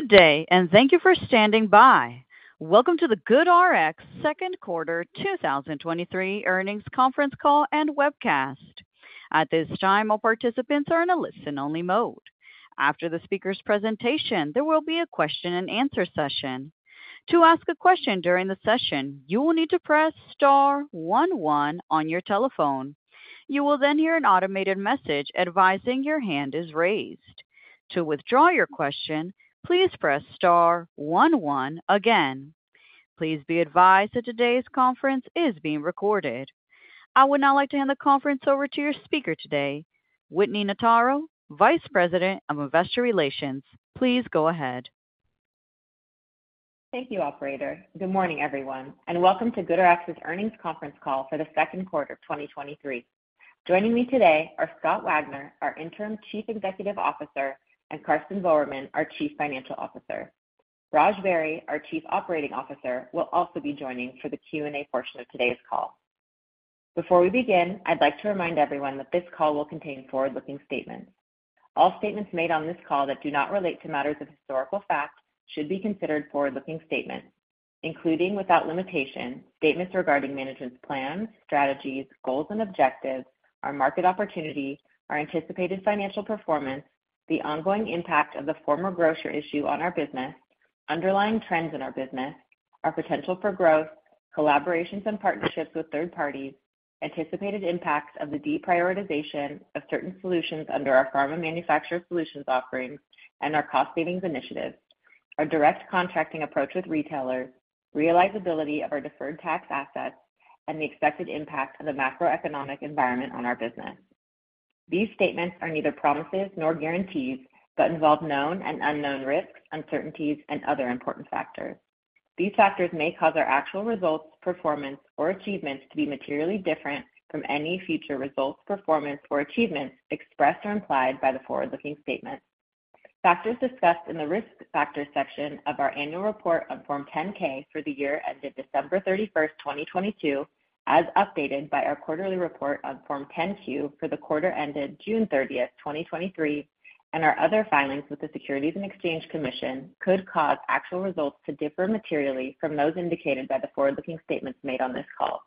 Good day, and thank you for standing by. Welcome to the GoodRx second quarter 2023 earnings conference call and webcast. At this time, all participants are in a listen-only mode. After the speaker's presentation, there will be a question-and-answer session. To ask a question during the session, you will need to press star one one on your telephone. You will then hear an automated message advising your hand is raised. To withdraw your question, please press star one one again. Please be advised that today's conference is being recorded. I would now like to hand the conference over to your speaker today, Whitney Notaro, Vice President of Investor Relations. Please go ahead. Thank you, operator. Good morning, everyone, and welcome to GoodRx's earnings conference call for the second quarter of 2023. Joining me today are Scott Wagner, our Interim Chief Executive Officer, and Karsten Voermann, our Chief Financial Officer. Raj Beri, our Chief Operating Officer, will also be joining for the Q&A portion of today's call. Before we begin, I'd like to remind everyone that this call will contain forward-looking statements. All statements made on this call that do not relate to matters of historical fact should be considered forward-looking statements, including, without limitation, statements regarding management's plans, strategies, goals, and objectives, our market opportunity, our anticipated financial performance, the ongoing impact of the former grocer issue on our business, underlying trends in our business, our potential for growth, collaborations and partnerships with third parties, anticipated impacts of the deprioritization of certain solutions under our pharma manufacturer solutions offerings and our cost savings initiatives, our direct contracting approach with retailers, realizability of our deferred tax assets, and the expected impact of the macroeconomic environment on our business. These statements are neither promises nor guarantees, but involve known and unknown risks, uncertainties, and other important factors. These factors may cause our actual results, performance, or achievements to be materially different from any future results, performance, or achievements expressed or implied by the forward-looking statements. Factors discussed in the Risk Factors section of our annual report on Form 10-K for the year ended December 31st, 2022, as updated by our quarterly report on Form 10-Q for the quarter ended June 30th, 2023, and our other filings with the Securities and Exchange Commission, could cause actual results to differ materially from those indicated by the forward-looking statements made on this call.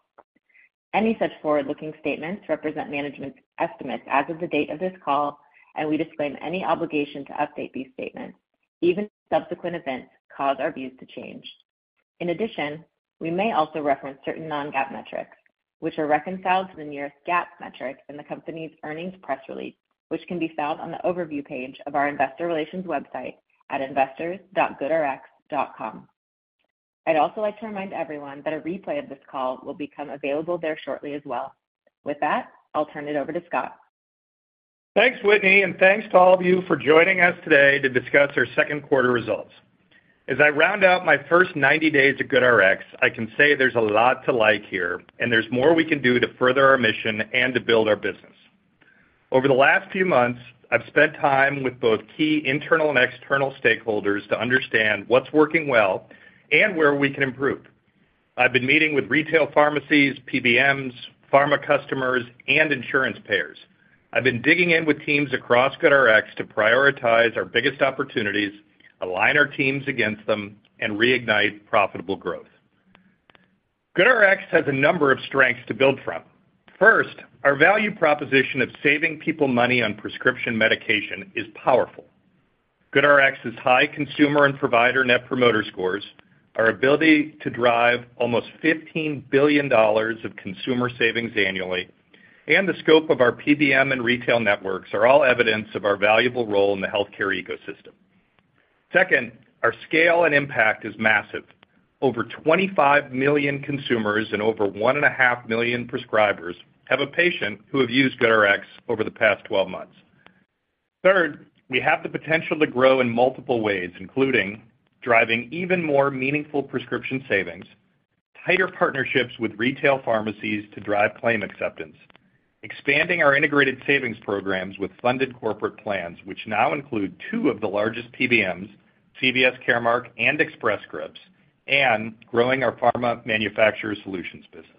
Any such forward-looking statements represent management's estimates as of the date of this call, and we disclaim any obligation to update these statements, even if subsequent events cause our views to change. In addition, we may also reference certain non-GAAP metrics, which are reconciled to the nearest GAAP metric in the company's earnings press release, which can be found on the overview page of our investor relations website at investors.goodrx.com. I'd also like to remind everyone that a replay of this call will become available there shortly as well. With that, I'll turn it over to Scott. Thanks, Whitney, and thanks to all of you for joining us today to discuss our second quarter results. As I round out my first 90 days at GoodRx, I can say there's a lot to like here, and there's more we can do to further our mission and to build our business. Over the last few months, I've spent time with both key internal and external stakeholders to understand what's working well and where we can improve. I've been meeting with retail pharmacies, PBMs, pharma customers, and insurance payers. I've been digging in with teams across GoodRx to prioritize our biggest opportunities, align our teams against them, and reignite profitable growth. GoodRx has a number of strengths to build from. First, our value proposition of saving people money on prescription medication is powerful. GoodRx's high consumer and provider net promoter scores, our ability to drive almost $15 billion of consumer savings annually, and the scope of our PBM and retail networks are all evidence of our valuable role in the healthcare ecosystem. Second, our scale and impact is massive. Over 25 million consumers and over 1.5 million prescribers have a patient who have used GoodRx over the past 12 months. Third, we have the potential to grow in multiple ways, including driving even more meaningful prescription savings, tighter partnerships with retail pharmacies to drive claim acceptance, expanding our integrated savings programs with funded corporate plans, which now include two of the largest PBMs, CVS, Caremark, and Express Scripts, and growing our pharma manufacturer solutions business.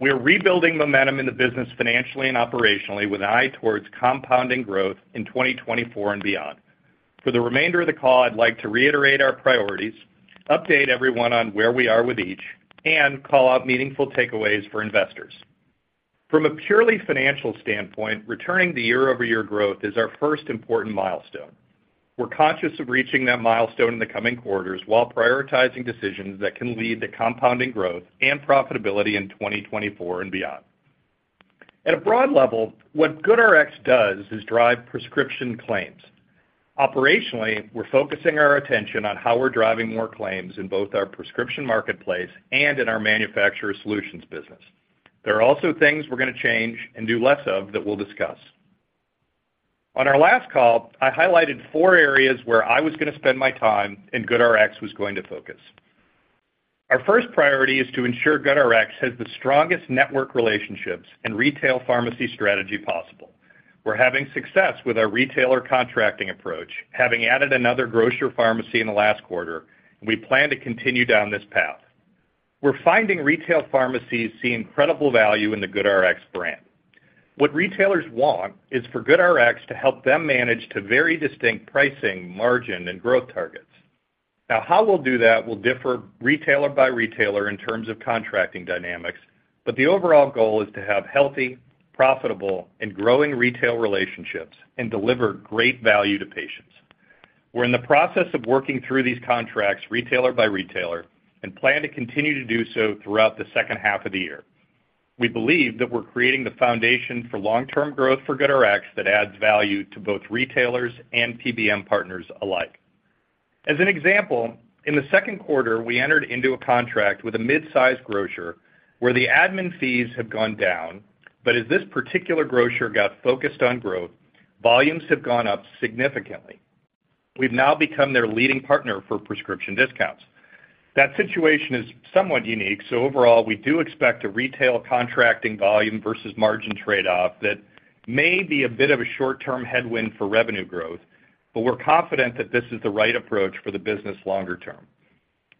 We are rebuilding momentum in the business financially and operationally with an eye towards compounding growth in 2024 and beyond. For the remainder of the call, I'd like to reiterate our priorities, update everyone on where we are with each, and call out meaningful takeaways for investors. From a purely financial standpoint, returning the year-over-year growth is our first important milestone. We're conscious of reaching that milestone in the coming quarters while prioritizing decisions that can lead to compounding growth and profitability in 2024 and beyond. At a broad level, what GoodRx does is drive prescription claims. Operationally, we're focusing our attention on how we're driving more claims in both our prescription marketplace and in our manufacturer solutions business. There are also things we're going to change and do less of that we'll discuss. On our last call, I highlighted four areas where I was going to spend my time and GoodRx was going to focus. Our first priority is to ensure GoodRx has the strongest network relationships and retail pharmacy strategy possible. We're having success with our retailer contracting approach, having added another grocer pharmacy in the last quarter, and we plan to continue down this path.... We're finding retail pharmacies see incredible value in the GoodRx brand. What retailers want is for GoodRx to help them manage to very distinct pricing, margin, and growth targets. Now, how we'll do that will differ retailer by retailer in terms of contracting dynamics, but the overall goal is to have healthy, profitable, and growing retail relationships and deliver great value to patients. We're in the process of working through these contracts retailer by retailer, and plan to continue to do so throughout the second half of the year. We believe that we're creating the foundation for long-term growth for GoodRx that adds value to both retailers and PBM partners alike. As an example, in the second quarter, we entered into a contract with a mid-sized grocer, where the admin fees have gone down, as this particular grocer got focused on growth, volumes have gone up significantly. We've now become their leading partner for prescription discounts. That situation is somewhat unique, so overall, we do expect a retail contracting volume versus margin trade-off that may be a bit of a short-term headwind for revenue growth, but we're confident that this is the right approach for the business longer term.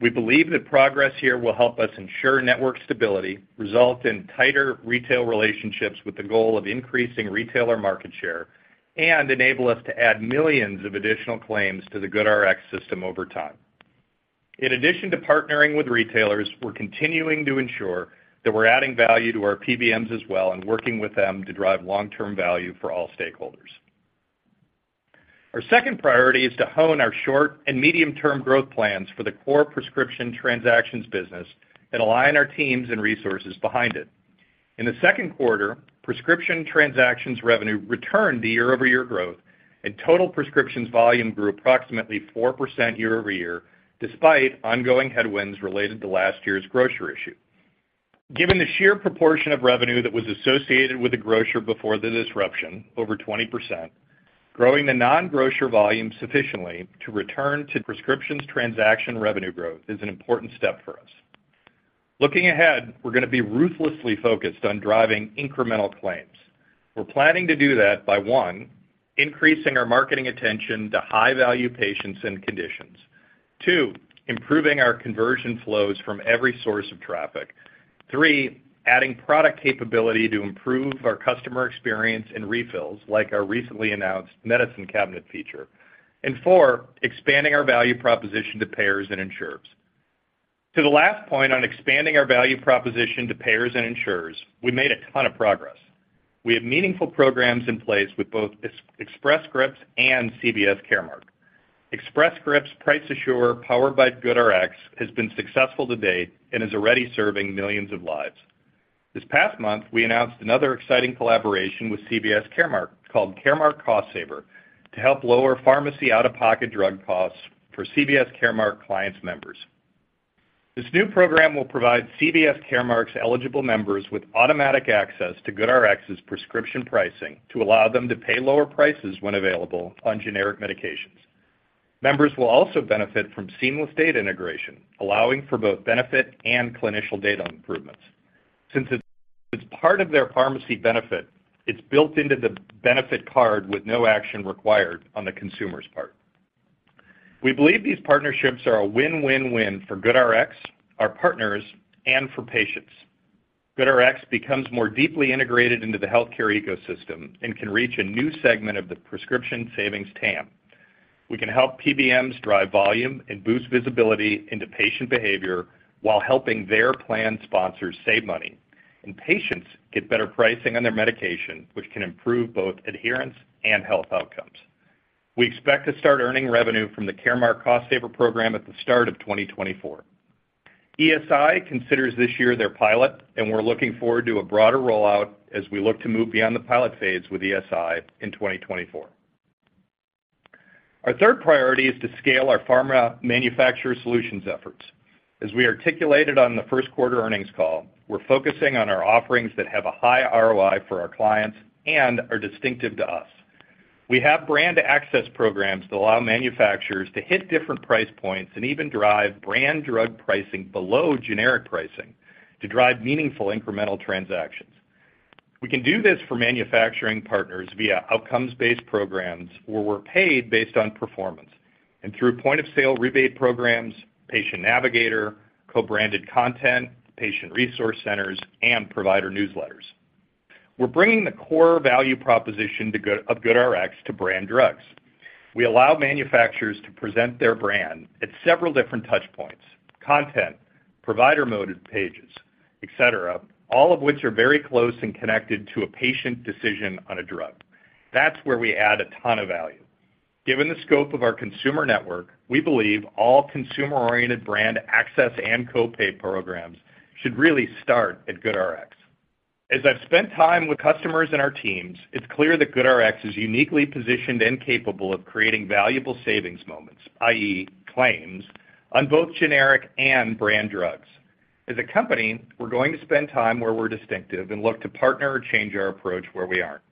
We believe that progress here will help us ensure network stability, result in tighter retail relationships with the goal of increasing retailer market share, and enable us to add millions of additional claims to the GoodRx system over time. In addition to partnering with retailers, we're continuing to ensure that we're adding value to our PBMs as well and working with them to drive long-term value for all stakeholders. Our second priority is to hone our short and medium-term growth plans for the core prescription transactions business and align our teams and resources behind it. In the second quarter, prescription transactions revenue returned to year-over-year growth, and total prescriptions volume grew approximately 4% year-over-year, despite ongoing headwinds related to last year's grocer issue. Given the sheer proportion of revenue that was associated with the grocer before the disruption, over 20%, growing the non-grocer volume sufficiently to return to prescriptions transaction revenue growth is an important step for us. Looking ahead, we're gonna be ruthlessly focused on driving incremental claims. We're planning to do that by, one, increasing our marketing attention to high-value patients and conditions. 2, improving our conversion flows from every source of traffic. 3, adding product capability to improve our customer experience and refills, like our recently announced Medicine Cabinet feature. four, expanding our value proposition to payers and insurers. To the last point on expanding our value proposition to payers and insurers, we made a ton of progress. We have meaningful programs in place with both Express Scripts and CVS Caremark. Express Scripts' Price Assure, powered by GoodRx, has been successful to date and is already serving millions of lives. This past month, we announced another exciting collaboration with CVS Caremark, called Caremark Cost Saver, to help lower pharmacy out-of-pocket drug costs for CVS Caremark clients' members. This new program will provide CVS Caremark's eligible members with automatic access to GoodRx's prescription pricing to allow them to pay lower prices when available on generic medications. Members will also benefit from seamless data integration, allowing for both benefit and clinical data improvements. Since it's, it's part of their pharmacy benefit, it's built into the benefit card with no action required on the consumer's part. We believe these partnerships are a win-win-win for GoodRx, our partners, and for patients. GoodRx becomes more deeply integrated into the healthcare ecosystem and can reach a new segment of the prescription savings TAM. We can help PBMs drive volume and boost visibility into patient behavior while helping their plan sponsors save money, and patients get better pricing on their medication, which can improve both adherence and health outcomes. We expect to start earning revenue from the Caremark Cost Saver program at the start of 2024. ESI considers this year their pilot, and we're looking forward to a broader rollout as we look to move beyond the pilot phase with ESI in 2024. Our third priority is to scale our pharma manufacturer solutions efforts. As we articulated on the first quarter earnings call, we're focusing on our offerings that have a high ROI for our clients and are distinctive to us. We have brand access programs that allow manufacturers to hit different price points and even drive brand drug pricing below generic pricing, to drive meaningful incremental transactions. We can do this for manufacturing partners via outcomes-based programs, where we're paid based on performance, and through point-of-sale rebate programs, patient navigator, co-branded content, patient resource centers, and provider newsletters. We're bringing the core value proposition of GoodRx to brand drugs. We allow manufacturers to present their brand at several different touch points, content, provider mode pages, et cetera, all of which are very close and connected to a patient decision on a drug. That's where we add a ton of value. Given the scope of our consumer network, we believe all consumer-oriented brand access and co-pay programs should really start at GoodRx. As I've spent time with customers and our teams, it's clear that GoodRx is uniquely positioned and capable of creating valuable savings moments, i.e., claims, on both generic and brand drugs. As a company, we're going to spend time where we're distinctive and look to partner or change our approach where we aren't.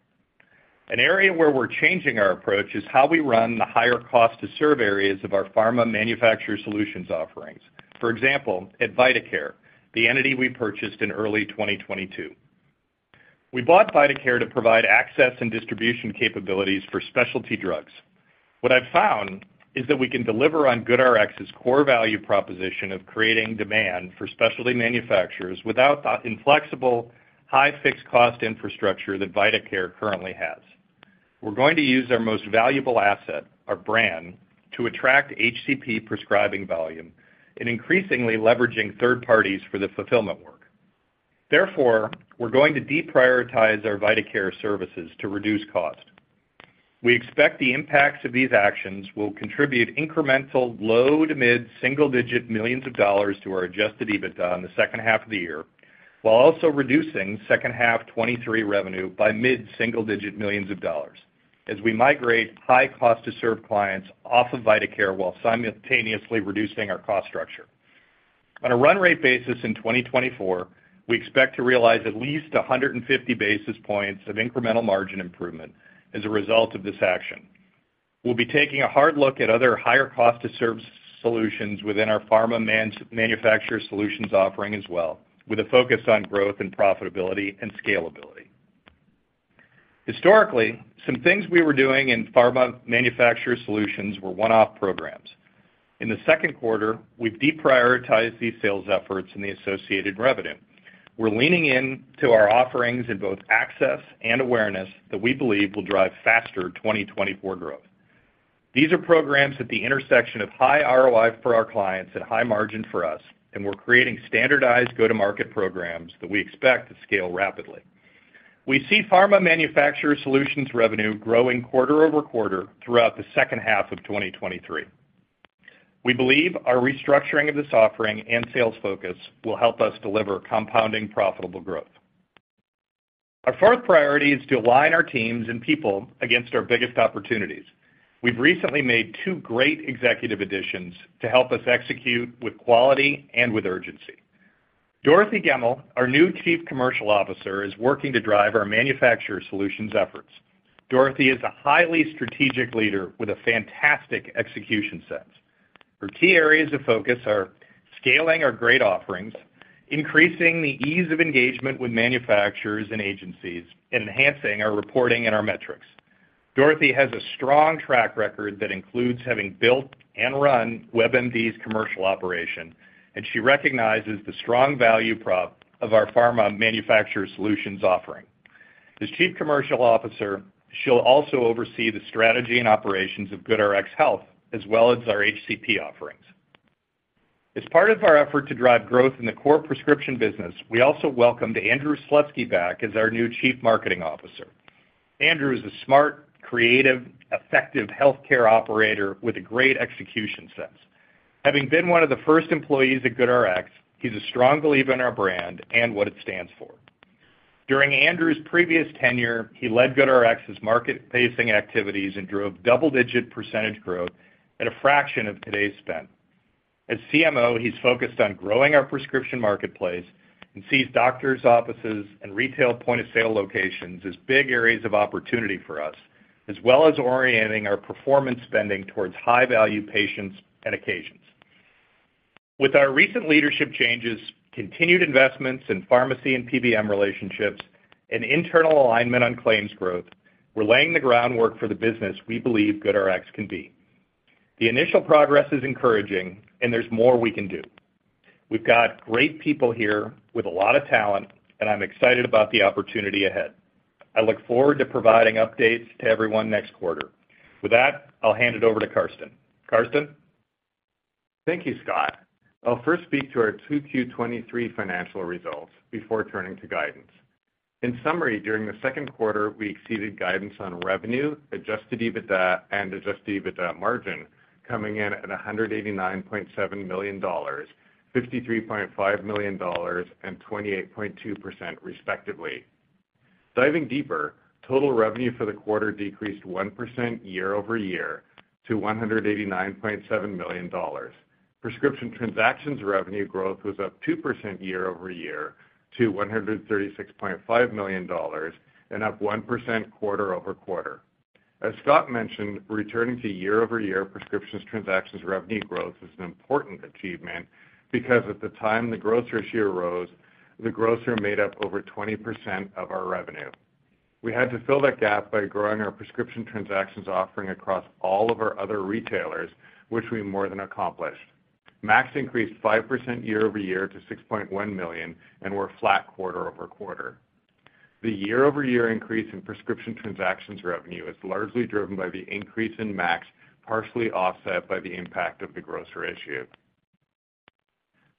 An area where we're changing our approach is how we run the higher cost to serve areas of our pharma manufacturer solutions offerings. For example, at VitaCare, the entity we purchased in early 2022.... We bought VitaCare to provide access and distribution capabilities for specialty drugs. What I've found is that we can deliver on GoodRx's core value proposition of creating demand for specialty manufacturers without the inflexible, high fixed cost infrastructure that VitaCare currently has. We're going to use our most valuable asset, our brand, to attract HCP prescribing volume and increasingly leveraging third parties for the fulfillment work. Therefore, we're going to deprioritize our VitaCare services to reduce cost. We expect the impacts of these actions will contribute incremental low to mid single digit millions of dollars to our adjusted EBITDA in the second half of the year, while also reducing second half 2023 revenue by mid single digit millions of dollars as we migrate high cost to serve clients off of VitaCare, while simultaneously reducing our cost structure. On a run rate basis in 2024, we expect to realize at least 150 basis points of incremental margin improvement as a result of this action. We'll be taking a hard look at other higher cost to serve solutions within our pharma manufacturer solutions offering as well, with a focus on growth and profitability and scalability. Historically, some things we were doing in pharma manufacturer solutions were one-off programs. In the second quarter, we've deprioritized these sales efforts and the associated revenue. We're leaning into our offerings in both access and awareness that we believe will drive faster 2024 growth. These are programs at the intersection of high ROI for our clients at high margin for us, and we're creating standardized go-to-market programs that we expect to scale rapidly. We see pharma manufacturer solutions revenue growing quarter-over-quarter throughout the second half of 2023. We believe our restructuring of this offering and sales focus will help us deliver compounding profitable growth. Our fourth priority is to align our teams and people against our biggest opportunities. We've recently made two great executive additions to help us execute with quality and with urgency. Dorothy Gemmell, our new Chief Commercial Officer, is working to drive our manufacturer solutions efforts. Dorothy is a highly strategic leader with a fantastic execution sense. Her key areas of focus are scaling our great offerings, increasing the ease of engagement with manufacturers and agencies, and enhancing our reporting and our metrics. Dorothy has a strong track record that includes having built and run WebMD's commercial operation, and she recognizes the strong value prop of our pharma manufacturer solutions offering. As Chief Commercial Officer, she'll also oversee the strategy and operations of GoodRx Health, as well as our HCP offerings. As part of our effort to drive growth in the core prescription business, we also welcomed Andrew Slutsky back as our new Chief Marketing Officer. Andrew is a smart, creative, effective healthcare operator with a great execution sense. Having been one of the first employees at GoodRx, he's a strong believer in our brand and what it stands for. During Andrew's previous tenure, he led GoodRx's market-facing activities and drove double-digit % growth at a fraction of today's spend. As CMO, he's focused on growing our prescription marketplace and sees doctor's offices and retail point-of-sale locations as big areas of opportunity for us, as well as orienting our performance spending towards high-value patients and occasions. With our recent leadership changes, continued investments in pharmacy and PBM relationships, and internal alignment on claims growth, we're laying the groundwork for the business we believe GoodRx can be. The initial progress is encouraging, and there's more we can do. We've got great people here with a lot of talent, and I'm excited about the opportunity ahead. I look forward to providing updates to everyone next quarter. With that, I'll hand it over to Karsten. Karsten? Thank you, Scott. I'll first speak to our 2Q23 financial results before turning to guidance. In summary, during the second quarter, we exceeded guidance on revenue, adjusted EBITDA and adjusted EBITDA margin, coming in at $189.7 million, $53.5 million and 28.2%, respectively. Diving deeper, total revenue for the quarter decreased 1% year-over-year to $189.7 million. Prescription transactions revenue growth was up 2% year-over-year to $136.5 million and up 1% quarter-over-quarter. As Scott mentioned, returning to year-over-year prescriptions transactions revenue growth is an important achievement because at the time the grocer issue arose, the grocer made up over 20% of our revenue. We had to fill that gap by growing our prescription transactions offering across all of our other retailers, which we more than accomplished. MACs increased 5% year-over-year to $6.1 million, and we're flat quarter-over-quarter. The year-over-year increase in prescription transactions revenue is largely driven by the increase in MACs, partially offset by the impact of the grocer issue.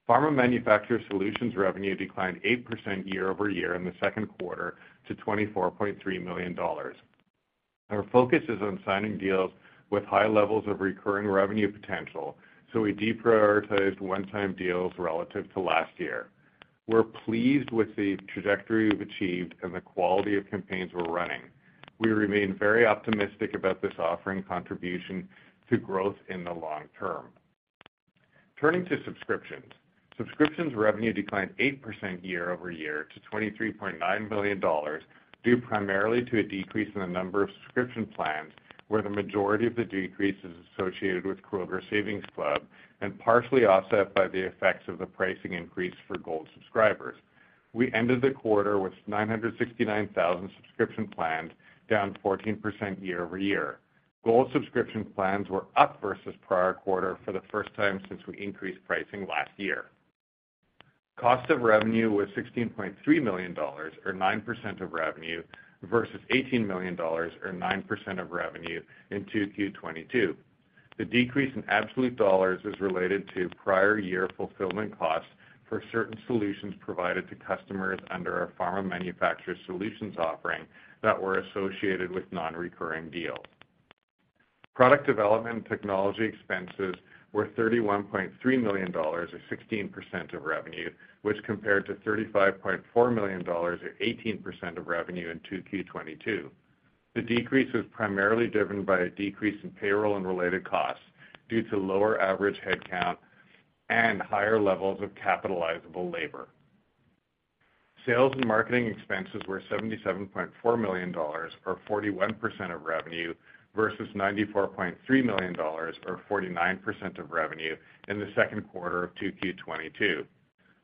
Pharma Manufacturer Solutions revenue declined 8% year-over-year in the second quarter to $24.3 million. Our focus is on signing deals with high levels of recurring revenue potential, so we deprioritized one-time deals relative to last year. We're pleased with the trajectory we've achieved and the quality of campaigns we're running. We remain very optimistic about this offering contribution to growth in the long term. Turning to subscriptions. Subscriptions revenue declined 8% year-over-year to $23.9 million due primarily to a decrease in the number of subscription plans, where the majority of the decrease is associated with Kroger Savings Club, and partially offset by the effects of the pricing increase for Gold subscribers. We ended the quarter with 969,000 subscription plans, down 14% year-over-year. Gold subscription plans were up versus prior quarter for the first time since we increased pricing last year. Cost of revenue was $16.3 million, or 9% of revenue, versus $18 million, or 9% of revenue in 2Q22. The decrease in absolute dollars is related to prior year fulfillment costs for certain solutions provided to customers under our pharma manufacturer solutions offering that were associated with non-recurring deals. Product development and technology expenses were $31.3 million, or 16% of revenue, which compared to $35.4 million, or 18% of revenue in 2Q22. The decrease was primarily driven by a decrease in payroll and related costs due to lower average headcount and higher levels of capitalizable labor. Sales and marketing expenses were $77.4 million, or 41% of revenue, versus $94.3 million, or 49% of revenue, in the second quarter of 2Q22.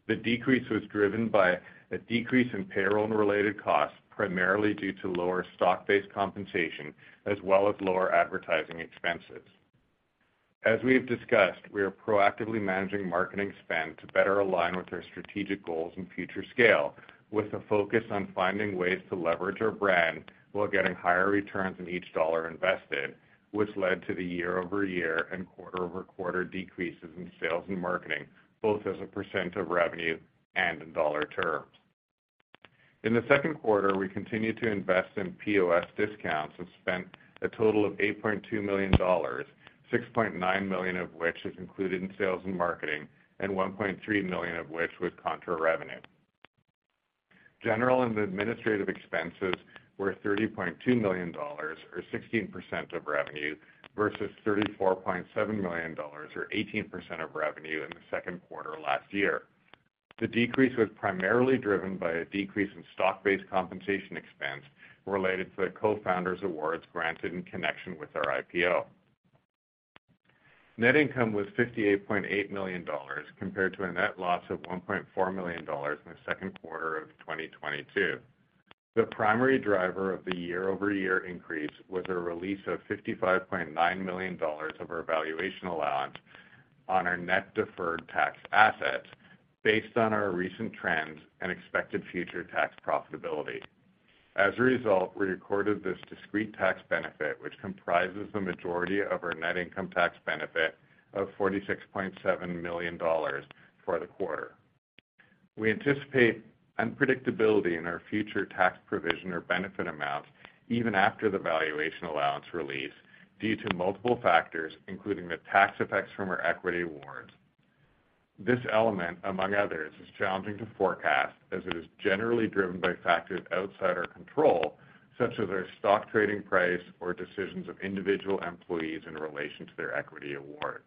The decrease was driven by a decrease in payroll and related costs, primarily due to lower stock-based compensation, as well as lower advertising expenses. As we have discussed, we are proactively managing marketing spend to better align with our strategic goals and future scale, with a focus on finding ways to leverage our brand while getting higher returns on each dollar invested, which led to the year-over-year and quarter-over-quarter decreases in sales and marketing, both as a % of revenue and in dollar terms. In the second quarter, we continued to invest in POS discounts and spent a total of $8.2 million, $6.9 million of which is included in sales and marketing, and $1.3 million of which was contra revenue. General and administrative expenses were $30.2 million, or 16% of revenue, versus $34.7 million, or 18% of revenue, in the second quarter last year. The decrease was primarily driven by a decrease in stock-based compensation expense related to the co-founders awards granted in connection with our IPO. Net income was $58.8 million, compared to a net loss of $1.4 million in the second quarter of 2022. The primary driver of the year-over-year increase was a release of $55.9 million of our valuation allowance on our net deferred tax assets, based on our recent trends and expected future tax profitability. As a result, we recorded this discrete tax benefit, which comprises the majority of our net income tax benefit of $46.7 million for the quarter. We anticipate unpredictability in our future tax provision or benefit amounts, even after the valuation allowance release, due to multiple factors, including the tax effects from our equity awards. This element, among others, is challenging to forecast, as it is generally driven by factors outside our control, such as our stock trading price or decisions of individual employees in relation to their equity awards.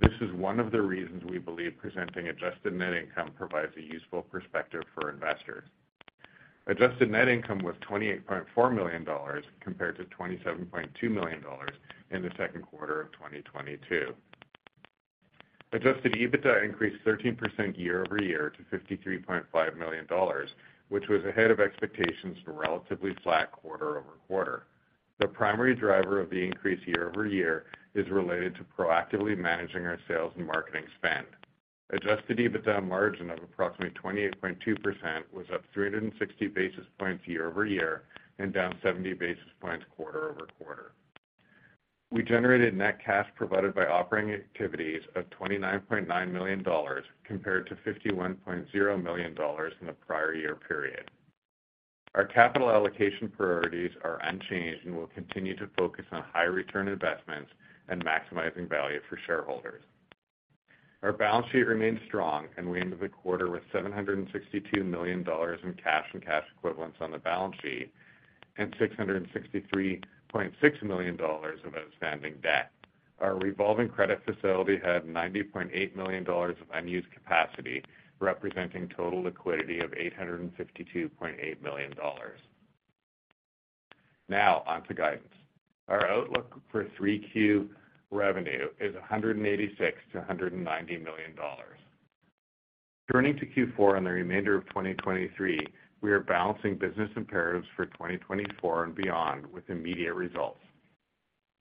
This is one of the reasons we believe presenting adjusted net income provides a useful perspective for investors. Adjusted net income was $28.4 million, compared to $27.2 million in the second quarter of 2022. Adjusted EBITDA increased 13% year-over-year to $53.5 million, which was ahead of expectations for relatively flat quarter-over-quarter. The primary driver of the increase year-over-year is related to proactively managing our sales and marketing spend. Adjusted EBITDA margin of approximately 28.2% was up 360 basis points year-over-year and down 70 basis points quarter-over-quarter. We generated net cash provided by operating activities of $29.9 million, compared to $51.0 million in the prior year period. Our capital allocation priorities are unchanged and will continue to focus on high return investments and maximizing value for shareholders. Our balance sheet remains strong, and we ended the quarter with $762 million in cash and cash equivalents on the balance sheet and $663.6 million of outstanding debt. Our revolving credit facility had $90.8 million of unused capacity, representing total liquidity of $852.8 million. On to guidance. Our outlook for 3Q revenue is $186 million-$190 million. Turning to Q4 and the remainder of 2023, we are balancing business imperatives for 2024 and beyond with immediate results.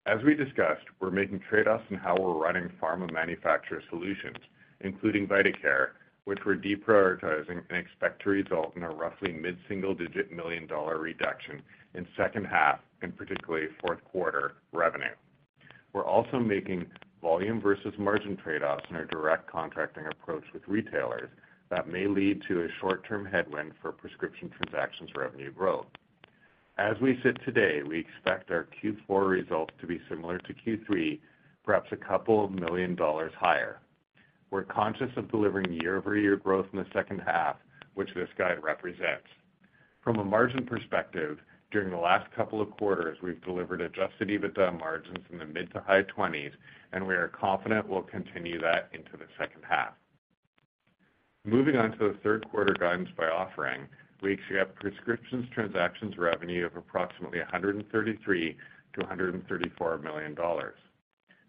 As we discussed, we're making trade-offs in how we're running pharma manufacturer solutions, including VitaCare, which we're deprioritizing and expect to result in a roughly $mid-single-digit million dollar reduction in second half, and particularly fourth quarter, revenue. We're also making volume versus margin trade-offs in our direct contracting approach with retailers that may lead to a short-term headwind for prescription transactions revenue growth. As we sit today, we expect our Q4 results to be similar to Q3, perhaps $a couple of million dollars higher. We're conscious of delivering year-over-year growth in the second half, which this guide represents. From a margin perspective, during the last couple of quarters, we've delivered adjusted EBITDA margins in the mid-to-high 20s, and we are confident we'll continue that into the second half. Moving on to the third quarter guidance by offering. We expect prescriptions transactions revenue of approximately $133 million-$134 million.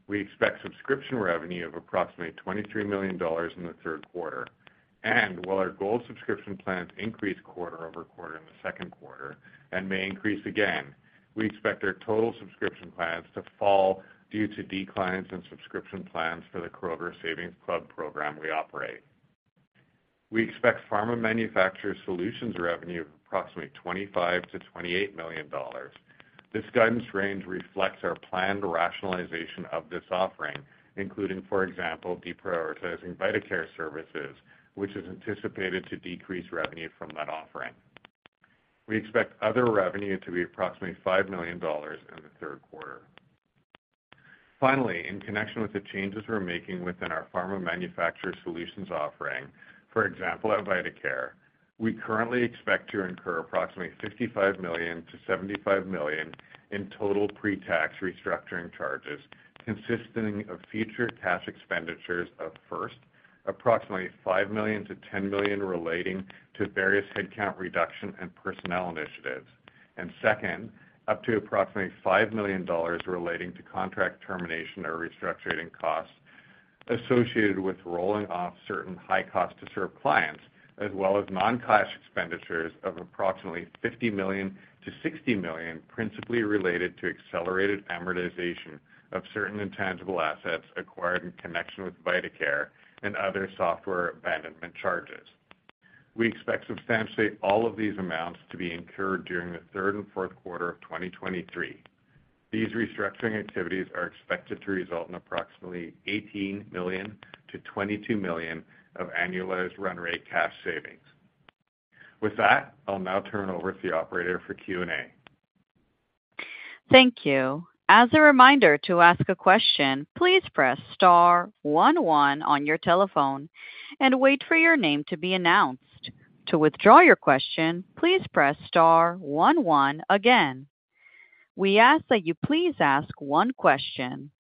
We expect subscription revenue of approximately $23 million in the third quarter, and while our gold subscription plans increased quarter-over-quarter in the second quarter and may increase again, we expect our total subscription plans to fall due to declines in subscription plans for the Kroger Savings Club program we operate. We expect pharma manufacturer solutions revenue of approximately $25 million-$28 million. This guidance range reflects our planned rationalization of this offering, including, for example, deprioritizing VitaCare services, which is anticipated to decrease revenue from that offering. We expect other revenue to be approximately $5 million in the third quarter. Finally, in connection with the changes we're making within our pharma manufacturer solutions offering, for example, at VitaCare, we currently expect to incur approximately $55 million-$75 million in total pretax restructuring charges, consisting of future cash expenditures of, first, approximately $5 million-$10 million relating to various headcount reduction and personnel initiatives, and second, up to approximately $5 million relating to contract termination or restructuring costs associated with rolling off certain high cost to serve clients, as well as non-cash expenditures of approximately $50 million-$60 million, principally related to accelerated amortization of certain intangible assets acquired in connection with VitaCare and other software abandonment charges. We expect to substantiate all of these amounts to be incurred during the third and fourth quarter of 2023. These restructuring activities are expected to result in approximately $18 million-$22 million of annualized run rate cash savings. With that, I'll now turn it over to the operator for Q&A. Thank you. As a reminder to ask a question, please press star one, one on your telephone and wait for your name to be announced. To withdraw your question, please press star one, one again. We ask that you please ask one question.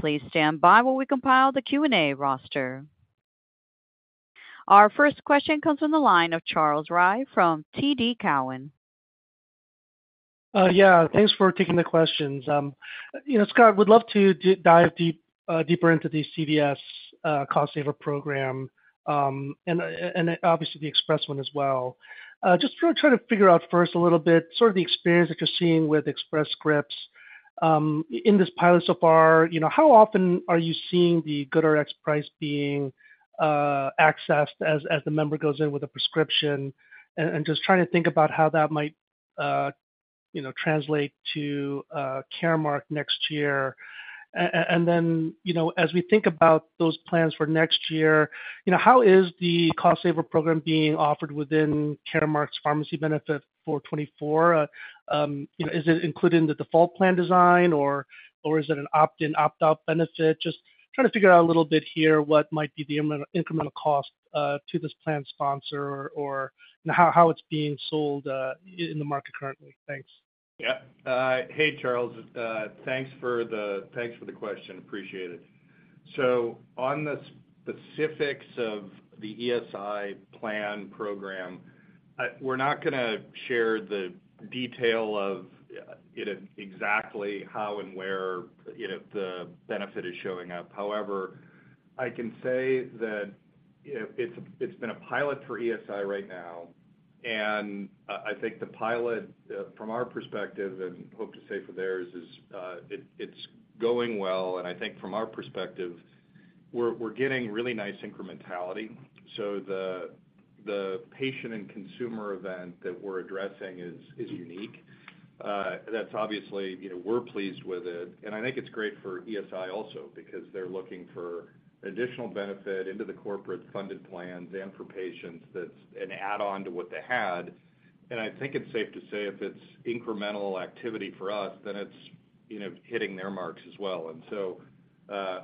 Please stand by while we compile the Q&A roster. Our first question comes from the line of Charles Rhyee from TD Cowen. Yeah, thanks for taking the questions. You know, Scott, would love to dive deep, deeper into the CVS Cost Saver program, and obviously the Express one as well. Just wanna try to figure out first a little bit, sort of the experience that you're seeing with Express Scripts. In this pilot so far, you know, how often are you seeing the GoodRx price being accessed as the member goes in with a prescription? Just trying to think about how that might, you know, translate to Caremark next year. You know, as we think about those plans for next year, you know, how is the Cost Saver program being offered within Caremark's pharmacy benefit for 2024? you know, is it included in the default plan design, or, or is it an opt-in, opt-out benefit? Just trying to figure out a little bit here, what might be the incremental cost to this plan sponsor or, or, you know, how, how it's being sold in the market currently. Thanks. Hey, Charles, thanks for the, thanks for the question. Appreciate it. On the specifics of the ESI plan program, we're not gonna share the detail of, you know, exactly how and where, you know, the benefit is showing up. However, I can say that, you know, it's, it's been a pilot for ESI right now, and I think the pilot from our perspective, and hope to say for theirs, is, it's going well, and I think from our perspective, we're, we're getting really nice incrementality. The, the patient and consumer event that we're addressing is, is unique. That's obviously, you know, we're pleased with it, and I think it's great for ESI also because they're looking for additional benefit into the corporate funded plans and for patients that's an add-on to what they had. I think it's safe to say if it's incremental activity for us, then it's, you know, hitting their marks as well.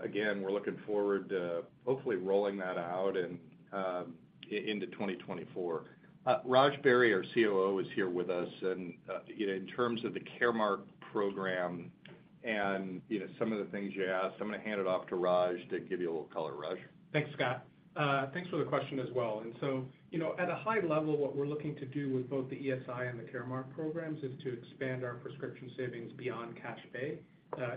Again, we're looking forward to hopefully rolling that out and into 2024. Raj Beri, our COO, is here with us. You know, in terms of the Caremark program and, you know, some of the things you asked, I'm gonna hand it off to Raj to give you a little color. Raj? Thanks, Scott. Thanks for the question as well. You know, at a high level, what we're looking to do with both the ESI and the Caremark programs is to expand our prescription savings beyond cash pay,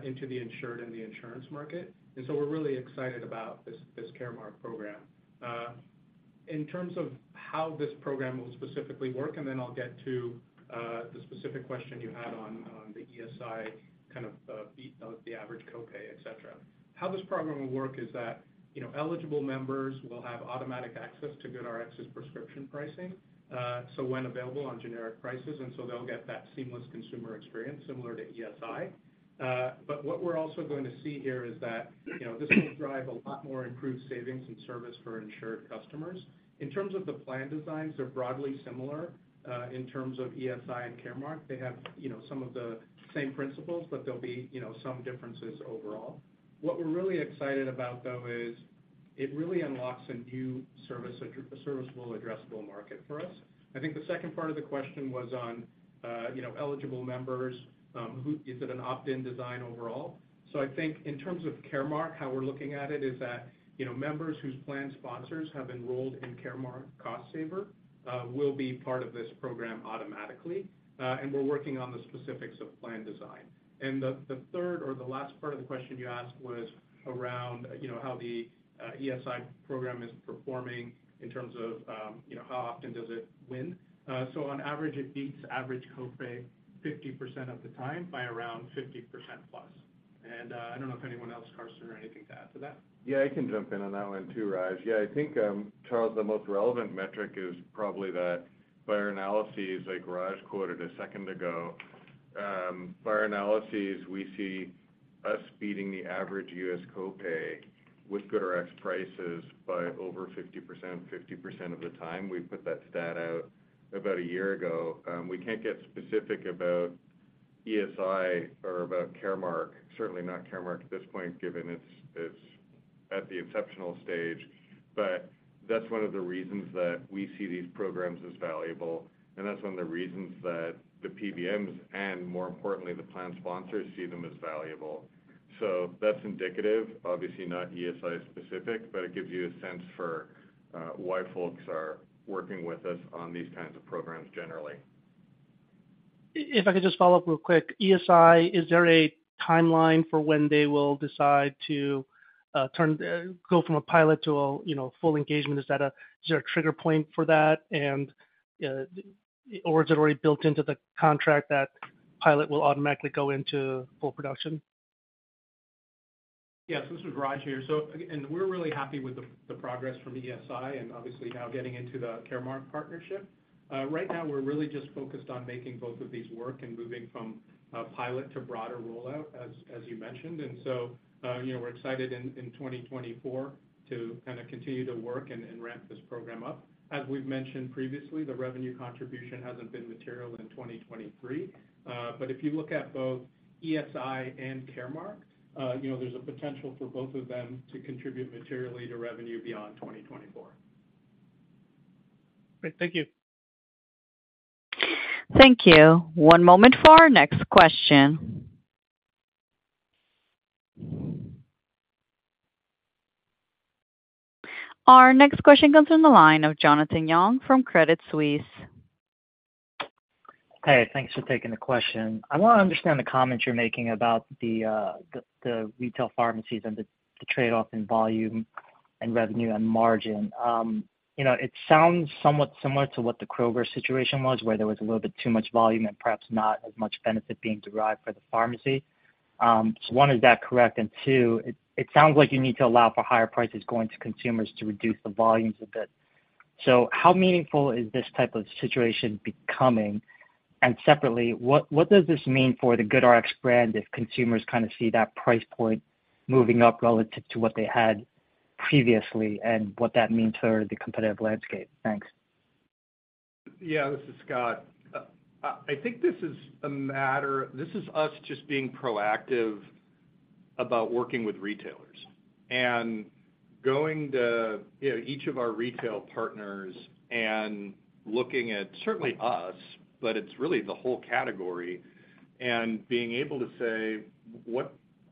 into the insured and the insurance market. We're really excited about this, this Caremark program. In terms of how this program will specifically work, and then I'll get to, the specific question you had on, on the ESI, kind of, beat out the average copay, et cetera. How this program will work is that, you know, eligible members will have automatic access to GoodRx's prescription pricing, so when available on generic prices, they'll get that seamless consumer experience similar to ESI. What we're also going to see here is that, you know, this will drive a lot more improved savings and service for insured customers. In terms of the plan designs, they're broadly similar, in terms of ESI and Caremark. They have, you know, some of the same principles, but there'll be, you know, some differences overall. What we're really excited about, though, is. It really unlocks a new service, a serviceable addressable market for us. I think the second part of the question was on, you know, eligible members, is it an opt-in design overall? I think in terms of Caremark, how we're looking at it is that, you know, members whose plan sponsors have enrolled in Caremark Cost Saver, will be part of this program automatically, and we're working on the specifics of plan design. The, the third or the last part of the question you asked was around, you know, how the ESI program is performing in terms of, you know, how often does it win? On average, it beats average copay 50% of the time by around 50%+. I don't know if anyone else, Karsten, or anything to add to that. I can jump in on that one, too, Raj. I think, Charles, the most relevant metric is probably that by our analyses, like Raj quoted a one second ago, by our analyses, we see us beating the average U.S. copay with GoodRx prices by over 50%, 50% of the time. We put that stat out about one year ago. We can't get specific about ESI or about Caremark, certainly not Caremark at this point, given it's, it's at the exceptional stage. That's one of the reasons that we see these programs as valuable, and that's one of the reasons that the PBMs, and more importantly, the plan sponsors, see them as valuable. That's indicative, obviously not ESI-specific, but it gives you a sense for why folks are working with us on these kinds of programs generally. If I could just follow up real quick. ESI, is there a timeline for when they will decide to turn, go from a pilot to a, you know, full engagement? Is there a trigger point for that? Or is it already built into the contract that pilot will automatically go into full production? Yes, this is Raj here. We're really happy with the progress from ESI and obviously now getting into the Caremark partnership. Right now, we're really just focused on making both of these work and moving from pilot to broader rollout, as you mentioned. You know, we're excited in 2024 to kind of continue to work and ramp this program up. As we've mentioned previously, the revenue contribution hasn't been material in 2023. If you look at both ESI and Caremark, you know, there's a potential for both of them to contribute materially to revenue beyond 2024. Great. Thank you. Thank you. one moment for our next question. Our next question comes from the line of Jonathan Yong from Credit Suisse. Hey, thanks for taking the question. I want to understand the comments you're making about the retail pharmacies and the trade-off in volume and revenue and margin. You know, it sounds somewhat similar to what the Kroger situation was, where there was a little bit too much volume and perhaps not as much benefit being derived for the pharmacy. One, is that correct? Two, it sounds like you need to allow for higher prices going to consumers to reduce the volumes a bit. How meaningful is this type of situation becoming? Separately, what does this mean for the GoodRx brand if consumers kind of see that price point moving up relative to what they had previously and what that means for the competitive landscape? Thanks. Yeah. This is Scott. I, I think this is a matter... This is us just being proactive about working with retailers and going to, you know, each of our retail partners and looking at certainly us, but it's really the whole category, and being able to say,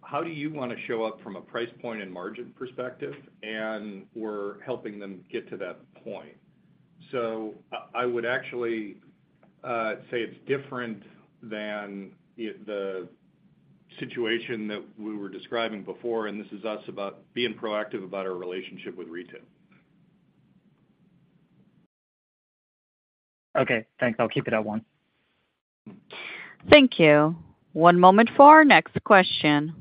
"How do you want to show up from a price point and margin perspective?" We're helping them get to that point. I, I would actually, say it's different than the, the situation that we were describing before. This is us about being proactive about our relationship with retail. Okay, thanks. I'll keep it at one. Thank you. One moment for our next question.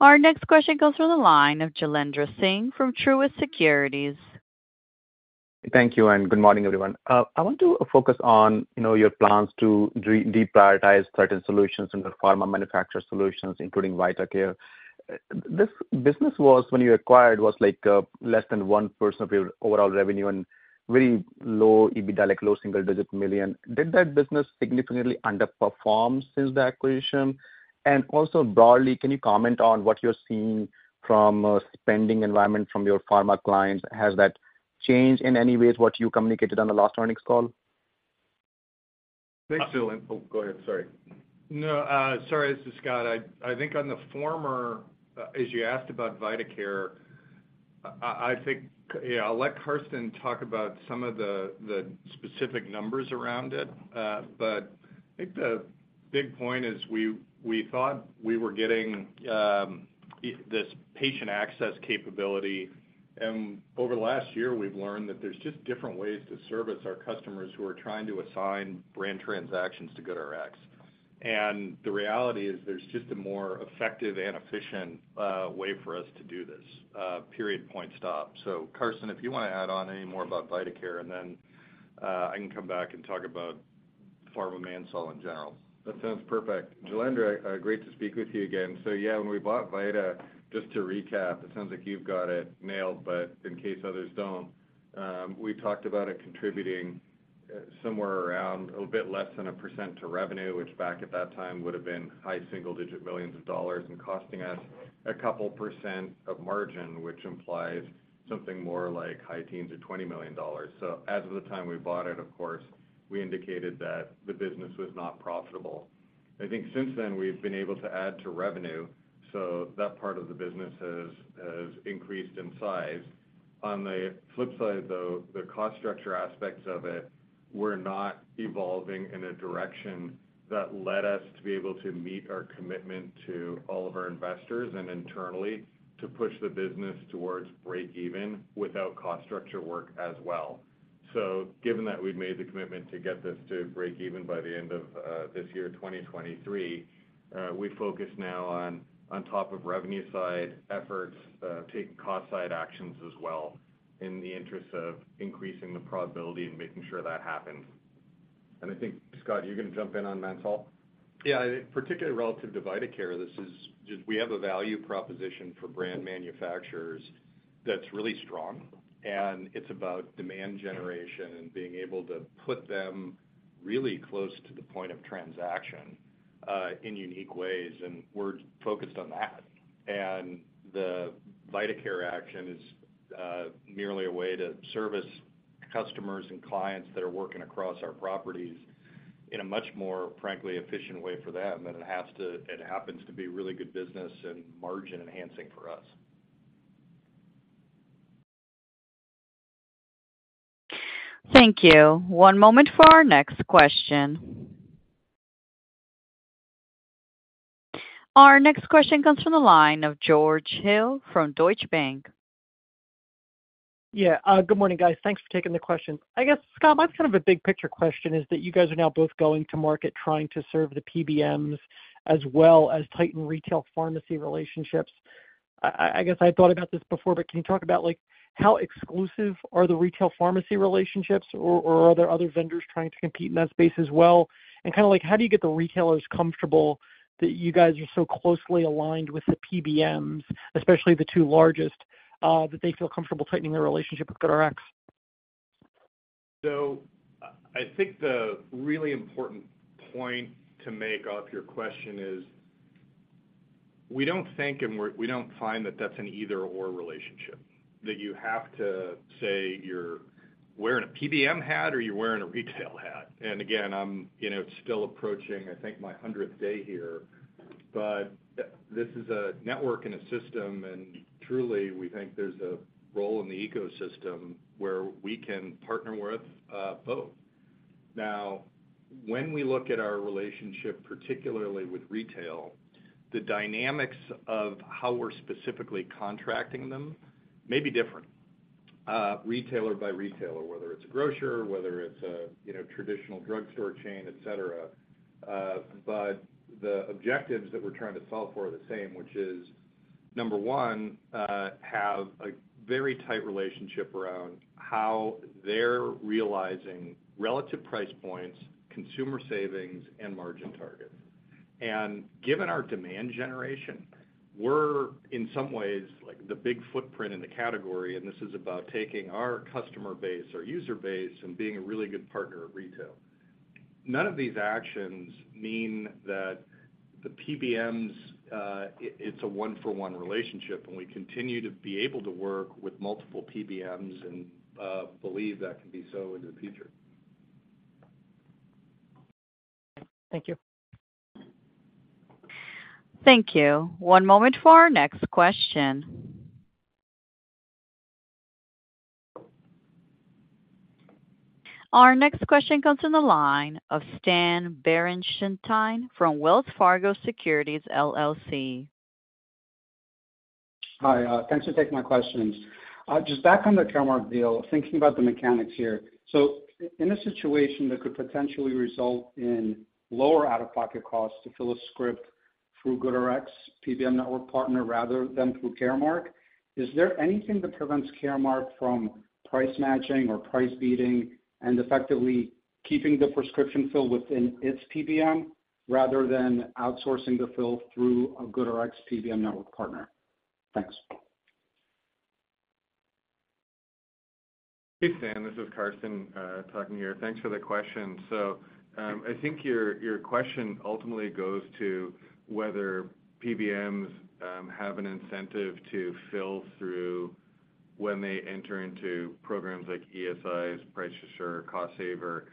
Our next question goes through the line of Jailendra Singh from Truist Securities. Thank you, and good morning, everyone. I want to focus on, you know, your plans to re- deprioritize certain solutions in the pharma manufacturer solutions, including VitaCare. This business was, when you acquired, was like, less than 1% of your overall revenue and very low EBITDA, like low single-digit million. Did that business significantly underperform since the acquisition? Also broadly, can you comment on what you're seeing from, spending environment from your pharma clients? Has that changed in any way is what you communicated on the last earnings call? Thanks, Jailendra. Oh, go ahead, sorry. No, sorry, this is Scott. I, I think on the former, as you asked about VitaCare, I, I think, yeah, I'll let Karsten talk about some of the specific numbers around it. But I think the big point is we, we thought we were getting this patient access capability, and over the last year, we've learned that there's just different ways to service our customers who are trying to assign brand transactions to GoodRx. The reality is, there's just a more effective and efficient way for us to do this, period, point, stop. Karsten, if you want to add on any more about VitaCare, and then, I can come back and talk about pharma ManSol in general. That sounds perfect. Jailendra, great to speak with you again. Yeah, when we bought Vida, just to recap, it sounds like you've got it nailed, but in case others don't, we talked about it contributing.... somewhere around a bit less than 1% to revenue, which back at that time would have been $7 million-$9 million, and costing us 2% of margin, which implies something more like $17 million-$20 million. As of the time we bought it, of course, we indicated that the business was not profitable. I think since then, we've been able to add to revenue, so that part of the business has, has increased in size. On the flip side, though, the cost structure aspects of it were not evolving in a direction that led us to be able to meet our commitment to all of our investors and internally to push the business towards break even without cost structure work as well. Given that we've made the commitment to get this to break even by the end of this year, 2023, we focus now on top of revenue side efforts, taking cost side actions as well, in the interest of increasing the probability and making sure that happens. I think, Scott, are you going to jump in on menthol? Yeah, particularly relative to VitaCare, this is just we have a value proposition for brand manufacturers that's really strong, and it's about demand generation and being able to put them really close to the point of transaction, in unique ways, and we're focused on that. The VitaCare action is merely a way to service customers and clients that are working across our properties in a much more, frankly, efficient way for them, and it happens to be really good business and margin enhancing for us. Thank you. One moment for our next question. Our next question comes from the line of George Hill from Deutsche Bank. Yeah, good morning, guys. Thanks for taking the question. I guess, Scott, my kind of a big picture question is that you guys are now both going to market, trying to serve the PBMs as well as tighten retail pharmacy relationships. I, I, I guess I thought about this before, but can you talk about, like, how exclusive are the retail pharmacy relationships, or, or are there other vendors trying to compete in that space as well? Kind of like, how do you get the retailers comfortable that you guys are so closely aligned with the PBMs, especially the two largest, that they feel comfortable tightening their relationship with GoodRx? I think the really important point to make off your question is, we don't think and we don't find that that's an either/or relationship, that you have to say you're wearing a PBM hat or you're wearing a retail hat. Again, I'm, you know, still approaching, I think, my 100th day here, but this is a network and a system, and truly, we think there's a role in the ecosystem where we can partner with both. When we look at our relationship, particularly with retail, the dynamics of how we're specifically contracting them may be different, retailer by retailer, whether it's a grocer, whether it's a, you know, traditional drugstore chain, et cetera. The objectives that we're trying to solve for are the same, which is, number one, have a very tight relationship around how they're realizing relative price points, consumer savings, and margin targets. Given our demand generation, we're in some ways like the big footprint in the category, and this is about taking our customer base, our user base, and being a really good partner at retail. None of these actions mean that the PBMs, it's a 1-for-1 relationship, and we continue to be able to work with multiple PBMs and believe that can be so in the future. Thank you. Thank you. One moment for our next question. Our next question comes from the line of Stan Berenshteyn from Wells Fargo Securities, LLC. Hi, thanks for taking my questions. Just back on the Caremark deal, thinking about the mechanics here. In a situation that could potentially result in lower out-of-pocket costs to fill a script through GoodRx, PBM network partner, rather than through Caremark, is there anything that prevents Caremark from price matching or price beating and effectively keeping the prescription filled within its PBM rather than outsourcing the fill through a GoodRx PBM network partner? Thanks. Hey, Stan, this is Karsten talking here. Thanks for the question. I think your, your question ultimately goes to whether PBMs have an incentive to fill through when they enter into programs like ESI's, Price Assure, Cost Saver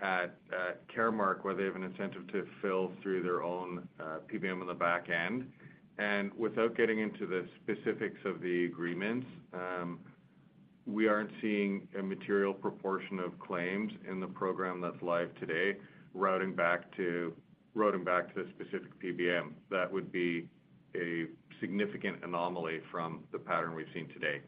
at Caremark, where they have an incentive to fill through their own PBM on the back end. Without getting into the specifics of the agreements, we aren't seeing a material proportion of claims in the program that's live today, routing back to the specific PBM. That would be a significant anomaly from the pattern we've seen today.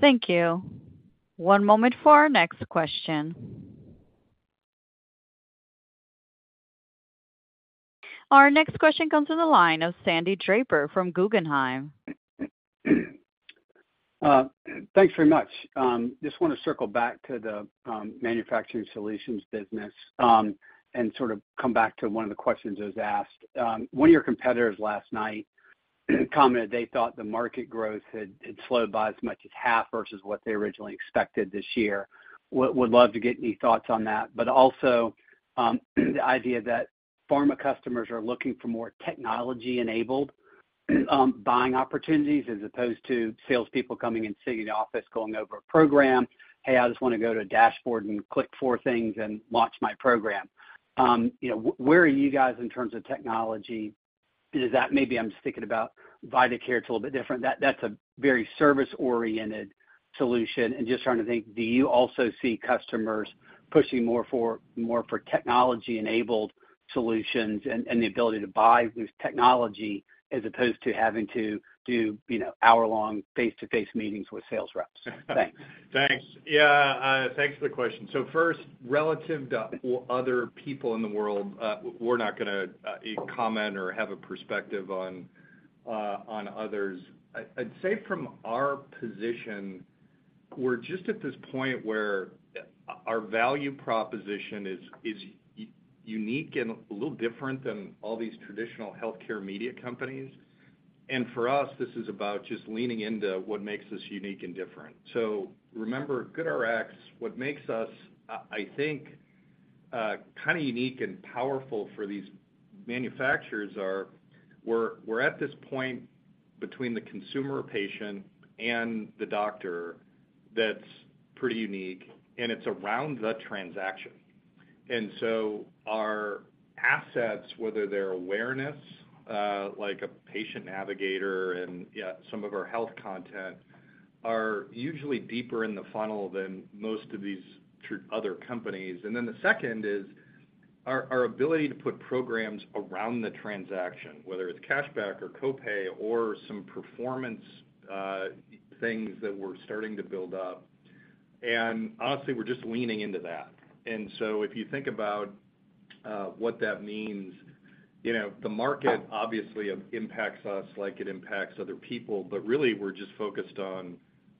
Thank you. One moment for our next question. Our next question comes from the line of Sandy Draper from Guggenheim. Thanks very much. Just want to circle back to the manufacturing solutions business and sort of come back to one of the questions that was asked. One of your competitors last night commented they thought the market growth had slowed by as much as half versus what they originally expected this year. Would love to get any thoughts on that, but also the idea that pharma customers are looking for more technology-enabled buying opportunities as opposed to salespeople coming and sitting in the office, going over a program. "Hey, I just want to go to a dashboard and click four things and launch my program." You know, where are you guys in terms of technology? Is that maybe I'm just thinking about VitaCare, it's a little bit different. That's a very service-oriented solution, and just trying to think, do you also see customers pushing more for, more for technology-enabled solutions and, and the ability to buy with technology as opposed to having to do, you know, hour-long face-to-face meetings with sales reps? Thanks. Thanks. Yeah, thanks for the question. First, relative to other people in the world, we're not gonna comment or have a perspective on others. I'd, I'd say from our position, we're just at this point where our value proposition is, is unique and a little different than all these traditional healthcare media companies. For us, this is about just leaning into what makes us unique and different. Remember, GoodRx, what makes us I think kind of unique and powerful for these manufacturers are, we're, we're at this point between the consumer patient and the doctor that's pretty unique, and it's around the transaction. Our assets, whether they're awareness, like a patient navigator and, yeah, some of our health content, are usually deeper in the funnel than most of these other companies. Then the second is, our, our ability to put programs around the transaction, whether it's cashback or copay or some performance, things that we're starting to build up, and honestly, we're just leaning into that. So if you think about, what that means, you know, the market obviously impacts us like it impacts other people, but really, we're just focused on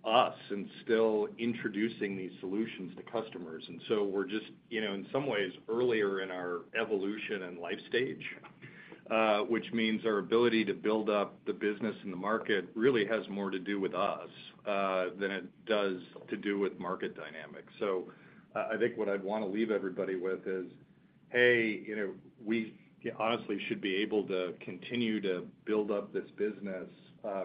us and still introducing these solutions to customers. So we're just, you know, in some ways, earlier in our evolution and life stage, which means our ability to build up the business in the market really has more to do with us, than it does to do with market dynamics. I, I think what I'd want to leave everybody with is, hey, you know, we honestly should be able to continue to build up this business,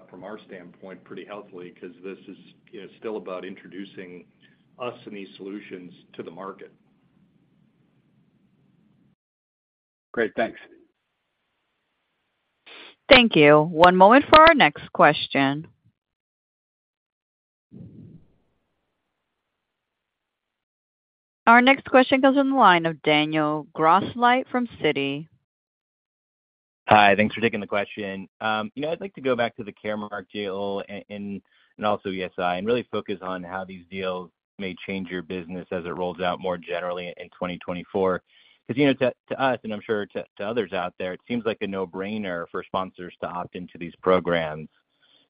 from our standpoint, pretty healthily, because this is, you know, still about introducing us and these solutions to the market. Great, thanks. Thank you. One moment for our next question. Our next question comes on the line of Daniel Grosslight from Citi. Hi, thanks for taking the question. You know, I'd like to go back to the Caremark deal and, and, and also ESI, and really focus on how these deals may change your business as it rolls out more generally in 2024. You know, to, to us, and I'm sure to, to others out there, it seems like a no-brainer for sponsors to opt into these programs.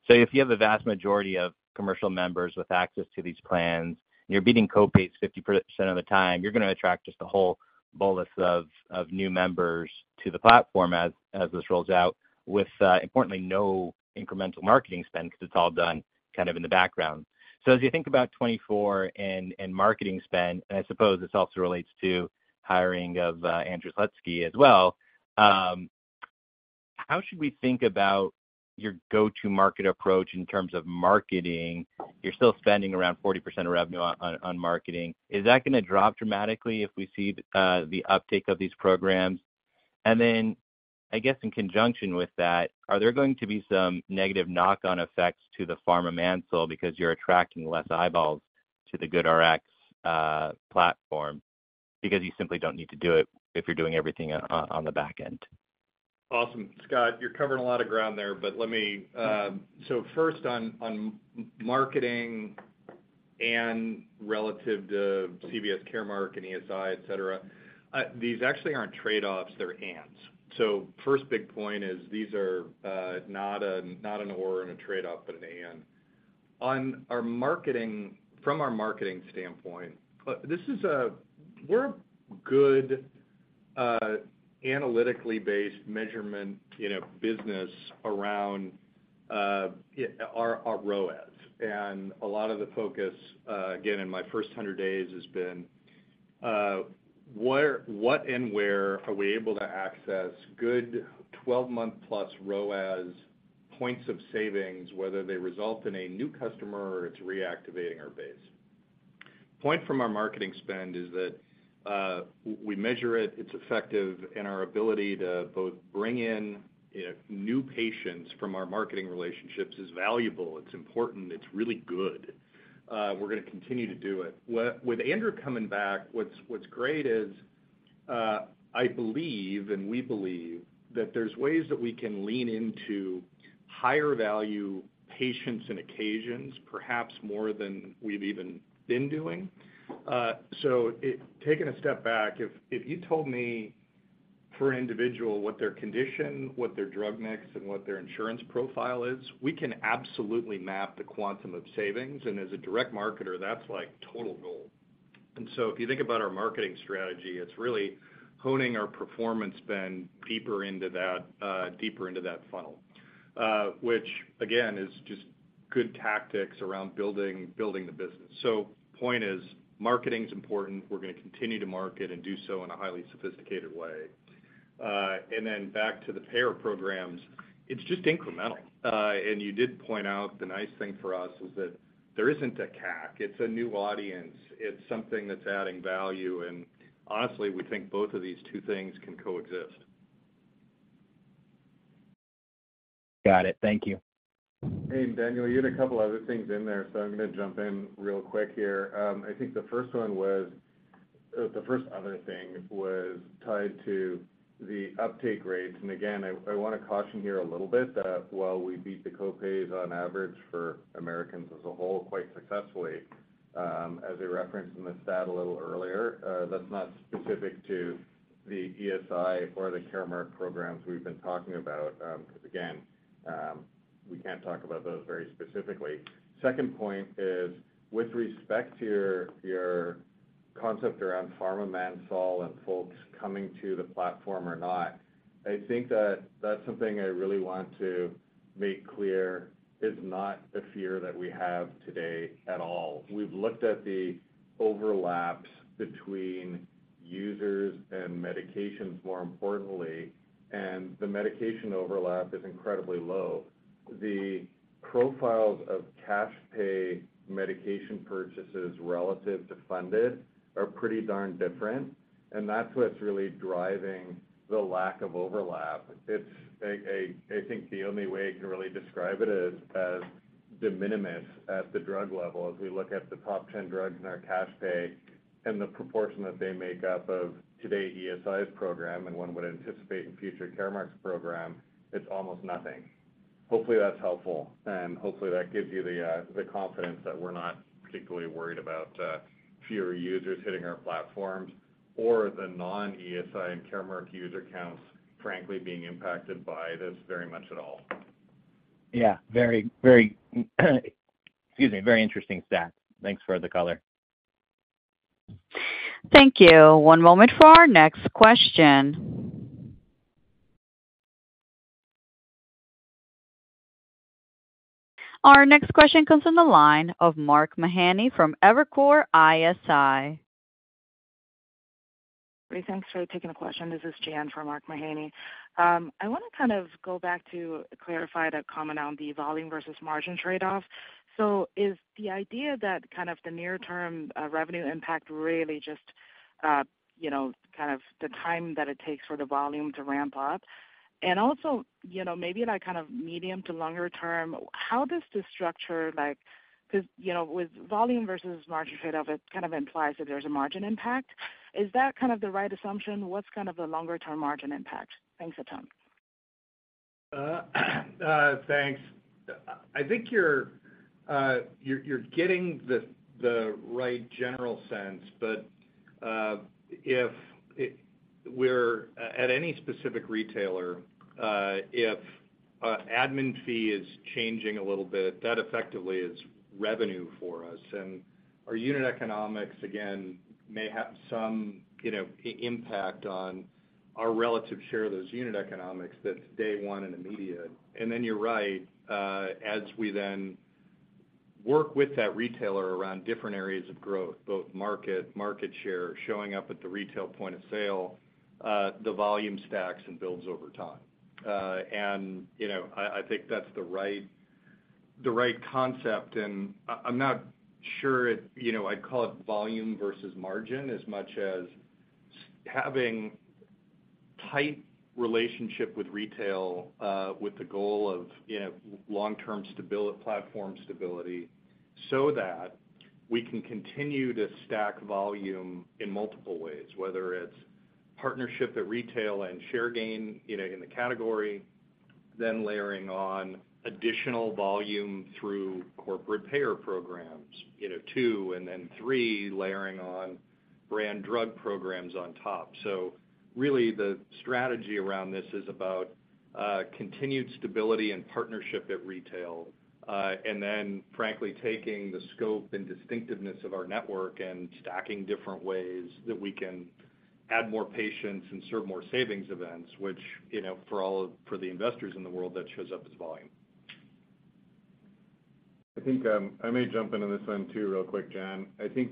If you have the vast majority of commercial members with access to these plans, you're beating copays 50% of the time, you're going to attract just a whole bolus of, of new members to the platform as, as this rolls out, with, importantly, no incremental marketing spend, because it's all done kind of in the background. As you think about 2024 and, and marketing spend, and I suppose this also relates to hiring of Andrew Slutsky as well, how should we think about your go-to market approach in terms of marketing? You're still spending around 40% of revenue on, on marketing. Is that going to drop dramatically if we see the uptake of these programs? I guess, in conjunction with that, are there going to be some negative knock-on effects to the pharma ManSol because you're attracting less eyeballs to the GoodRx platform? Because you simply don't need to do it if you're doing everything on, on the back end. Awesome. Scott, you're covering a lot of ground there, but let me. First on, on marketing and relative to CVS, Caremark, and ESI, et cetera, these actually aren't trade-offs, they're ands. First big point is these are, not a, not an or and a trade-off, but an and. On our marketing, from our marketing standpoint, this is we're a good, analytically based measurement, you know, business around, our, our ROAS. A lot of the focus, again, in my first 100 days, has been, what and where are we able to access good 12-month-plus ROAS points of savings, whether they result in a new customer or it's reactivating our base. Point from our marketing spend is that we measure it, it's effective, and our ability to both bring in, you know, new patients from our marketing relationships is valuable, it's important, it's really good. We're gonna continue to do it. With Andrew coming back, what's, what's great is, I believe, and we believe, that there's ways that we can lean into higher value patients and occasions, perhaps more than we've even been doing. So taking a step back, if, if you told me for an individual, what their condition, what their drug mix, and what their insurance profile is, we can absolutely map the quantum of savings, and as a direct marketer, that's like total goal. If you think about our marketing strategy, it's really honing our performance spend deeper into that, deeper into that funnel, which again, is just good tactics around building, building the business. Point is, marketing is important. We're gonna continue to market and do so in a highly sophisticated way. Then back to the payer programs, it's just incremental. You did point out the nice thing for us is that there isn't a CAC. It's a new audience. It's something that's adding value, and honestly, we think both of these two things can coexist. Got it. Thank you. Hey, Daniel, you had a couple other things in there, so I'm gonna jump in real quick here. I think the first one was, the first other thing was tied to the uptake rates. Again, I, I wanna caution here a little bit, that while we beat the copays on average for Americans as a whole, quite successfully, as I referenced in the stat a little earlier, that's not specific to the ESI or the Caremark programs we've been talking about, because, again, we can't talk about those very specifically. Second point is, with respect to your, your concept around pharma ManSol and folks coming to the platform or not, I think that, that's something I really want to make clear, is not a fear that we have today at all. We've looked at the overlaps between users and medications, more importantly, and the medication overlap is incredibly low. The profiles of cash pay medication purchases relative to funded, are pretty darn different, and that's what's really driving the lack of overlap. It's a I think the only way I can really describe it is as de minimis at the drug level. As we look at the top 10 drugs in our cash pay and the proportion that they make up of today ESI's program, and one would anticipate in future Caremark's program, it's almost nothing. Hopefully, that's helpful, and hopefully, that gives you the confidence that we're not particularly worried about fewer users hitting our platforms or the non-ESI and Caremark user counts, frankly, being impacted by this very much at all. Yeah, very, very, excuse me, very interesting stat. Thanks for the color. Thank you. One moment for our next question. Our next question comes from the line of Mark Mahaney from Evercore ISI. Great. Thanks for taking the question. This is Jian for Mark Mahaney. I wanna kind of go back to clarify the comment on the volume versus margin trade-off. Is the idea that kind of the near-term, revenue impact really just, you know, kind of the time that it takes for the volume to ramp up? Also, you know, maybe in a kind of medium to longer term, how does this structure like... Because, you know, with volume versus margin trade-off, it kind of implies that there's a margin impact. Is that kind of the right assumption? What's kind of the longer-term margin impact? Thanks a ton. Thanks. I think you're getting the right general sense, but we're at any specific retailer, if a admin fee is changing a little bit, that effectively is revenue for us. Our unit economics, again, may have some, you know, impact on our relative share of those unit economics that's day one and immediate. Then you're right, as we then work with that retailer around different areas of growth, both market, market share, showing up at the retail point of sale, the volume stacks and builds over time. You know, I, I think that's the right, the right concept, and I, I'm not sure it, you know, I'd call it volume versus margin, as much as having tight relationship with retail, with the goal of, you know, long-term platform stability, so that we can continue to stack volume in multiple ways, whether it's partnership at retail and share gain, you know, in the category, then layering on additional volume through corporate payer programs, you know, two, and then three, layering on brand drug programs on top. Really, the strategy around this is about continued stability and partnership at retail, and then frankly, taking the scope and distinctiveness of our network and stacking different ways that we can add more patients and serve more savings events, which, you know, for the investors in the world, that shows up as volume. I think, I may jump into this one, too, real quick, Jian. I think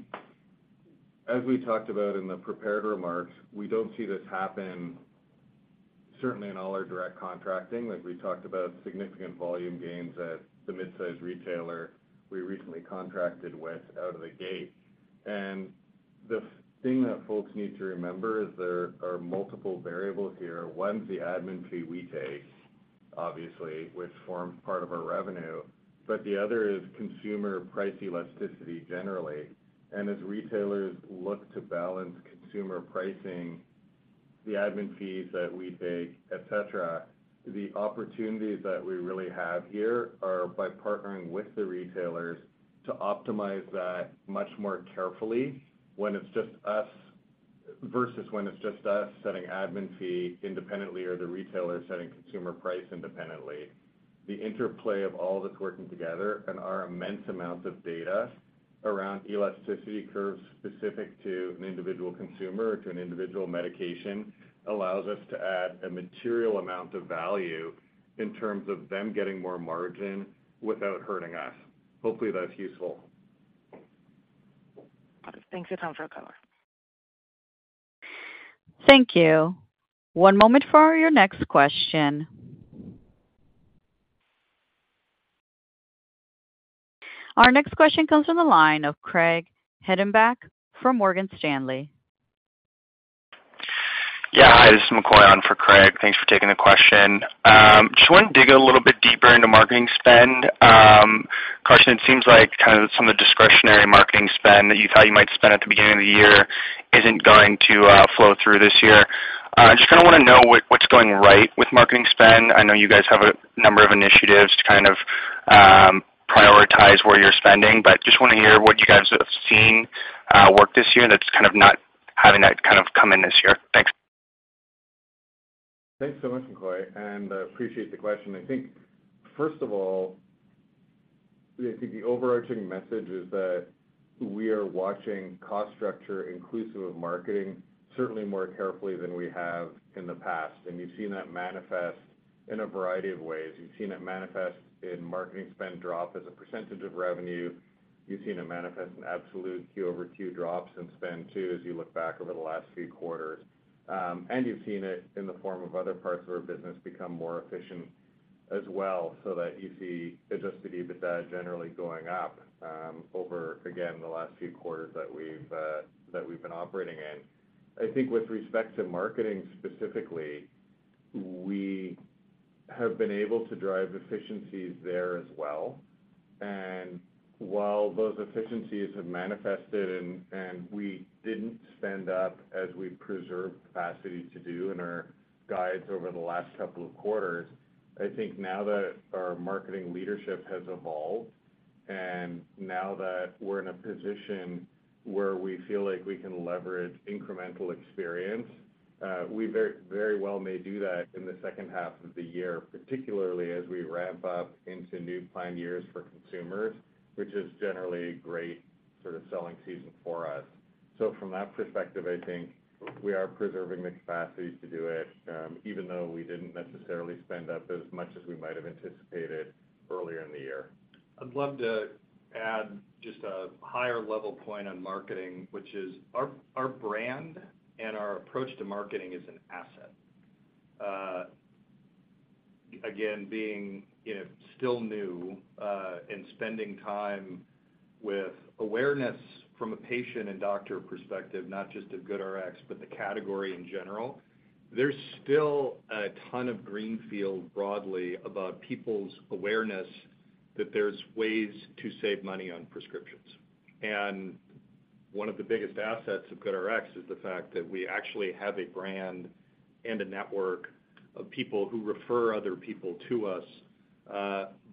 as we talked about in the prepared remarks, we don't see this happen certainly in all our direct contracting. Like we talked about significant volume gains at the mid-size retailer we recently contracted with out of the gate. The thing that folks need to remember is there are multiple variables here. One's the admin fee we take, obviously, which forms part of our revenue, but the other is consumer price elasticity, generally. As retailers look to balance consumer pricing, the admin fees that we take, et cetera, the opportunities that we really have here are by partnering with the retailers to optimize that much more carefully when it's just us-... versus when it's just us setting admin fee independently or the retailer setting consumer price independently. The interplay of all that's working together and our immense amounts of data around elasticity curves specific to an individual consumer, to an individual medication, allows us to add a material amount of value in terms of them getting more margin without hurting us. Hopefully, that's useful. Thanks a ton for the color. Thank you. One moment for your next question. Our next question comes from the line of Craig Hettenbach from Morgan Stanley. Yeah. Hi, this is McCoy on for Craig. Thanks for taking the question. Just wanted to dig a little bit deeper into marketing spend. Karsten, it seems like kind of some of the discretionary marketing spend that you thought you might spend at the beginning of the year isn't going to flow through this year. Just kinda wanna know what, what's going right with marketing spend. I know you guys have a number of initiatives to kind of prioritize where you're spending, but just wanna hear what you guys have seen work this year, that's kind of not having that kind of come in this year. Thanks. Thanks so much, McCoy, and I appreciate the question. I think, first of all, I think the overarching message is that we are watching cost structure, inclusive of marketing, certainly more carefully than we have in the past, and you've seen that manifest in a variety of ways. You've seen it manifest in marketing spend drop as a percentage of revenue. You've seen it manifest in absolute Q over Q drops in spend, too, as you look back over the last few quarters. You've seen it in the form of other parts of our business become more efficient as well, so that you see adjusted EBITDA generally going up, over, again, the last few quarters that we've that we've been operating in. I think with respect to marketing specifically, we have been able to drive efficiencies there as well. While those efficiencies have manifested and we didn't spend up as we preserved capacity to do in our guides over the last couple of quarters, I think now that our marketing leadership has evolved, and now that we're in a position where we feel like we can leverage incremental experience, we very, very well may do that in the second half of the year, particularly as we ramp up into new plan years for consumers, which is generally a great sort of selling season for us. From that perspective, I think we are preserving the capacity to do it, even though we didn't necessarily spend up as much as we might have anticipated earlier in the year. I'd love to add just a higher level point on marketing, which is our, our brand and our approach to marketing is an asset. Again, being, you know, still new, and spending time with awareness from a patient and doctor perspective, not just of GoodRx, but the category in general, there's still a ton of greenfield broadly about people's awareness that there's ways to save money on prescriptions. One of the biggest assets of GoodRx is the fact that we actually have a brand and a network of people who refer other people to us,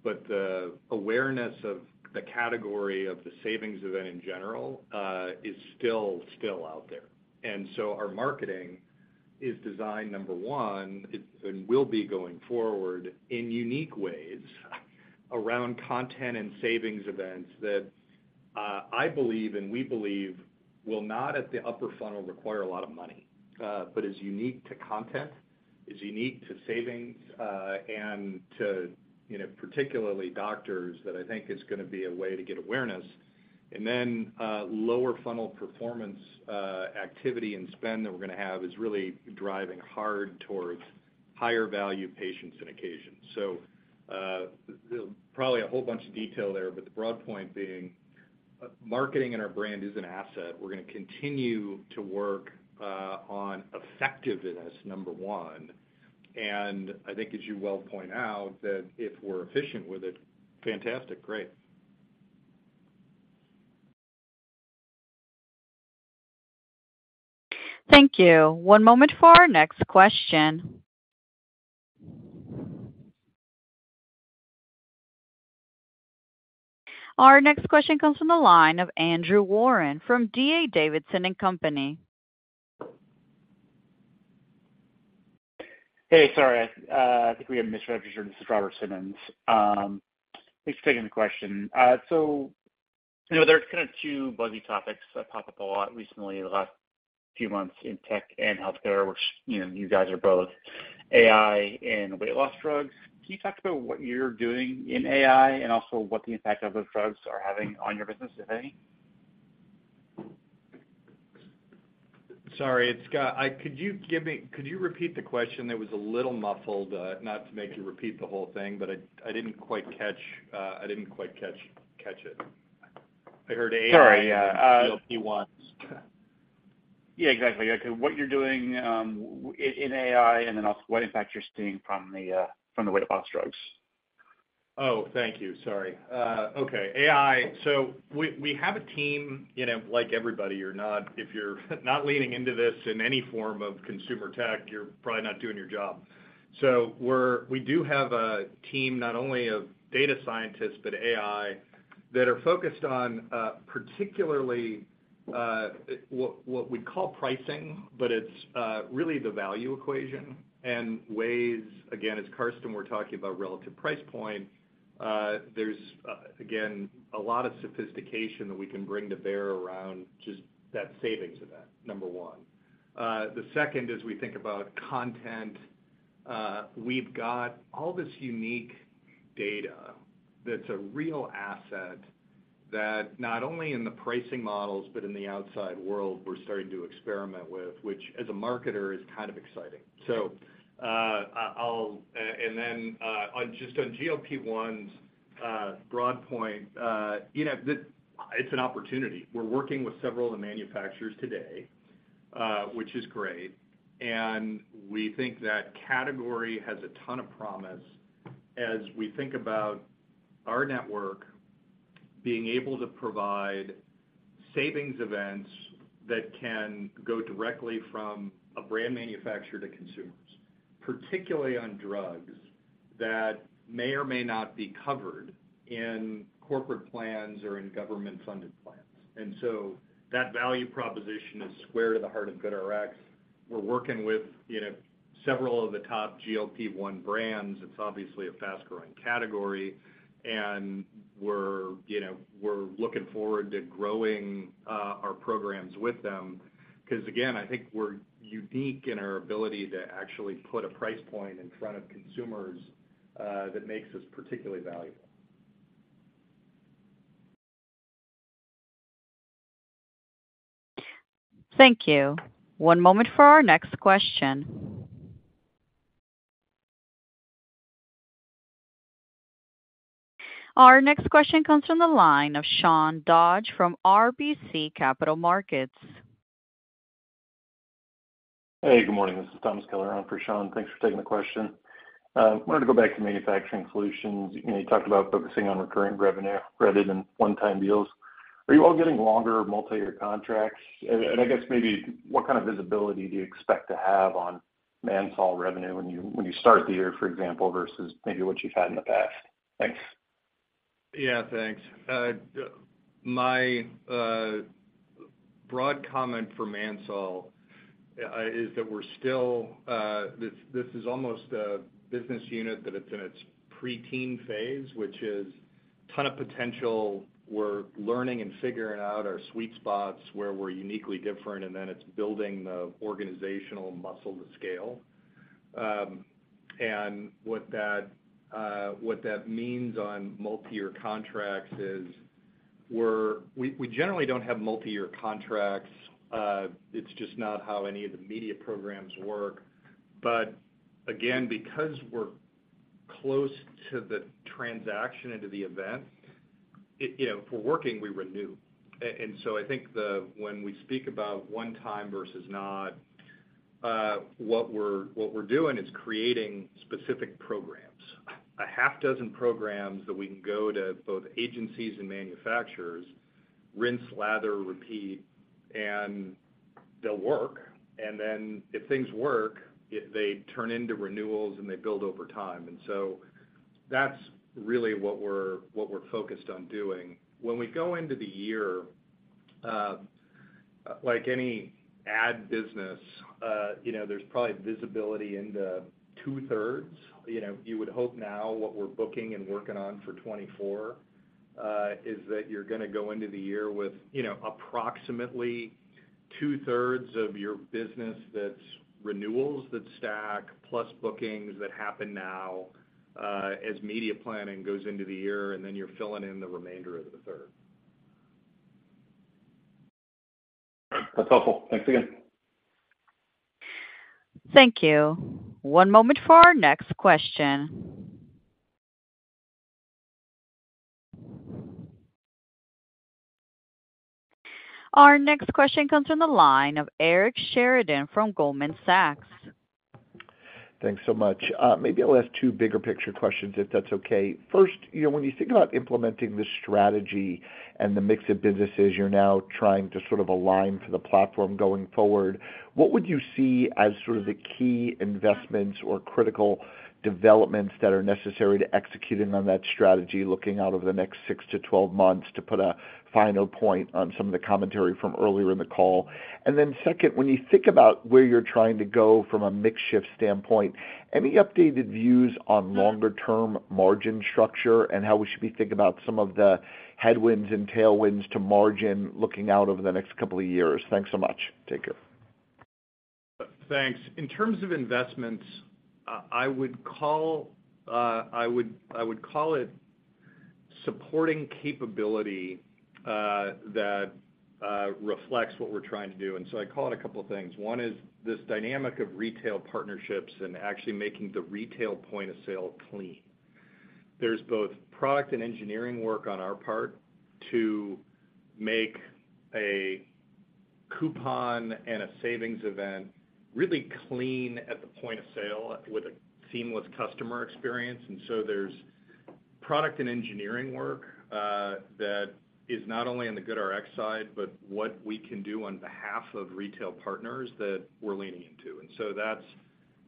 but the awareness of the category of the savings event in general, is still, still out there. Our marketing is designed, number one, it, and will be going forward in unique ways, around content and savings events that, I believe, and we believe, will not, at the upper funnel, require a lot of money, but is unique to content, is unique to savings, and to, you know, particularly doctors, that I think is gonna be a way to get awareness. Lower funnel performance, activity and spend that we're gonna have is really driving hard towards higher value patients and occasions. Probably a whole bunch of detail there, but the broad point being, marketing and our brand is an asset. We're gonna continue to work on effectiveness, number one, and I think, as you well point out, that if we're efficient with it, fantastic, great. Thank you. One moment for our next question. Our next question comes from the line of Andrew Warren from D.A. Davidson and Company. Hey, sorry, I think we have misregistered. This is Robert Simmons. Thanks for taking the question. You know, there's kind of two buzzy topics that pop up a lot recently in the last few months in tech and healthcare, which, you know, you guys are both: AI and weight loss drugs. Can you talk about what you're doing in AI and also what the impact of those drugs are having on your business, if any? Sorry, it's Scott. Could you give me... Could you repeat the question? It was a little muffled, not to make you repeat the whole thing, but I, I didn't quite catch, I didn't quite catch, catch it. I heard AI. Sorry, yeah. GLP-1s. Yeah, exactly. Okay, what you're doing, in AI, and then also what impact you're seeing from the weight loss drugs? Oh, thank you. Sorry. Okay. AI. We, we have a team, you know, like everybody, you're not-- If you're not leaning into this in any form of consumer tech, you're probably not doing your job. We're-- we do have a team, not only of data scientists, but AI that are focused on, particularly, what, what we'd call pricing, but it's really the value equation and ways, again, as Carsten we're talking about relative price point. There's, again, a lot of sophistication that we can bring to bear around just that savings event, number one. The second, as we think about content, we've got all this unique data that's a real asset, that not only in the pricing models, but in the outside world, we're starting to experiment with, which, as a marketer, is kind of exciting. On just on GLP-1s broad point, you know, it's an opportunity. We're working with several of the manufacturers today, which is great, and we think that category has a ton of promise as we think about our network being able to provide savings events that can go directly from a brand manufacturer to consumers, particularly on drugs that may or may not be covered in corporate plans or in government-funded plans. That value proposition is square to the heart of GoodRx. We're working with, you know, several of the top GLP-1 brands. It's obviously a fast-growing category, and we're, you know, we're looking forward to growing our programs with them. Again, I think we're unique in our ability to actually put a price point in front of consumers that makes us particularly valuable. Thank you. One moment for our next question. Our next question comes from the line of Sean Dodge from RBC Capital Markets. Hey, good morning. This is Thomas Keller in for Sean. Thanks for taking the question. Wanted to go back to manufacturing solutions. You know, you talked about focusing on recurring revenue rather than one-time deals. Are you all getting longer multi-year contracts? And I guess maybe what kind of visibility do you expect to have on ManSol revenue when you, when you start the year, for example, versus maybe what you've had in the past? Thanks. Yeah, thanks. My broad comment for ManSol is that we're still, this, this is almost a business unit that it's in its preteen phase, which is ton of potential. We're learning and figuring out our sweet spots, where we're uniquely different, and then it's building the organizational muscle to scale. What that, what that means on multi-year contracts is we're-- we, we generally don't have multi-year contracts. It's just not how any of the media programs work. But again, because we're close to the transaction and to the event, it, you know, if we're working, we renew. So I think the-- when we speak about one time versus not, what we're, what we're doing is creating specific programs. A half dozen programs that we can go to both agencies and manufacturers, rinse, lather, repeat, and they'll work. If things work, they turn into renewals, and they build over time. That's really what we're, what we're focused on doing. When we go into the year, like any ad business, you know, there's probably visibility into two-thirds. You know, you would hope now what we're booking and working on for 2024, is that you're gonna go into the year with, you know, approximately two-thirds of your business that's renewals, that stack, plus bookings that happen now, as media planning goes into the year, and then you're filling in the remainder of the third. That's helpful. Thanks again. Thank you. One moment for our next question. Our next question comes from the line of Eric Sheridan from Goldman Sachs. Thanks so much. Maybe I'll ask two bigger picture questions, if that's okay. First, you know, when you think about implementing this strategy and the mix of businesses, you're now trying to sort of align for the platform going forward, what would you see as sort of the key investments or critical developments that are necessary to executing on that strategy, looking out over the next 6-12 months, to put a final point on some of the commentary from earlier in the call? Second, when you think about where you're trying to go from a mix shift standpoint, any updated views on longer-term margin structure and how we should be thinking about some of the headwinds and tailwinds to margin looking out over the next two years? Thanks so much. Take care. Thanks. In terms of investments, I would call, I would, I would call it supporting capability that reflects what we're trying to do. So I call it a couple of things. One is this dynamic of retail partnerships and actually making the retail point of sale clean. There's both product and engineering work on our part to make a coupon and a savings event really clean at the point of sale, with a seamless customer experience. So there's product and engineering work that is not only on the GoodRx side, but what we can do on behalf of retail partners that we're leaning into. So that's-...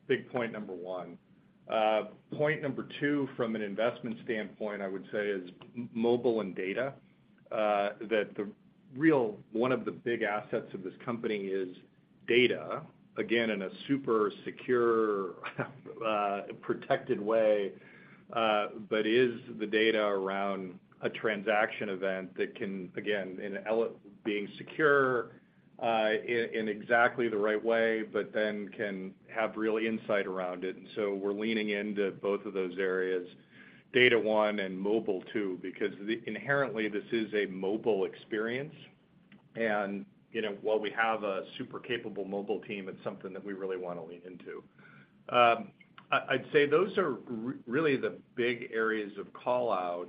Big point number one. Point number two, from an investment standpoint, I would say is mobile and data. that the real, one of the big assets of this company is data, again, in a super secure, protected way, but is the data around a transaction event that can, again, in being secure, in, in exactly the right way, but then can have real insight around it. So we're leaning into both of those areas, data one and mobile two, because inherently, this is a mobile experience. You know, while we have a super capable mobile team, it's something that we really wanna lean into. I'd say those are really the big areas of call-out,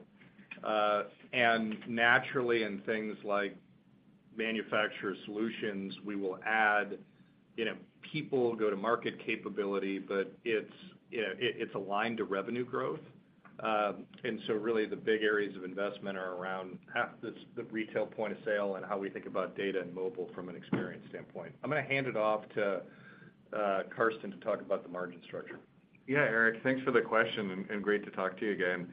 naturally, in things like manufacturer solutions, we will add, you know, people, go-to-market capability, but it's, you know, it, it's aligned to revenue growth. So really, the big areas of investment are around half this, the retail point of sale and how we think about data and mobile from an experience standpoint. I'm gonna hand it off to Carsten to talk about the margin structure. Yeah, Eric, thanks for the question, and great to talk to you again.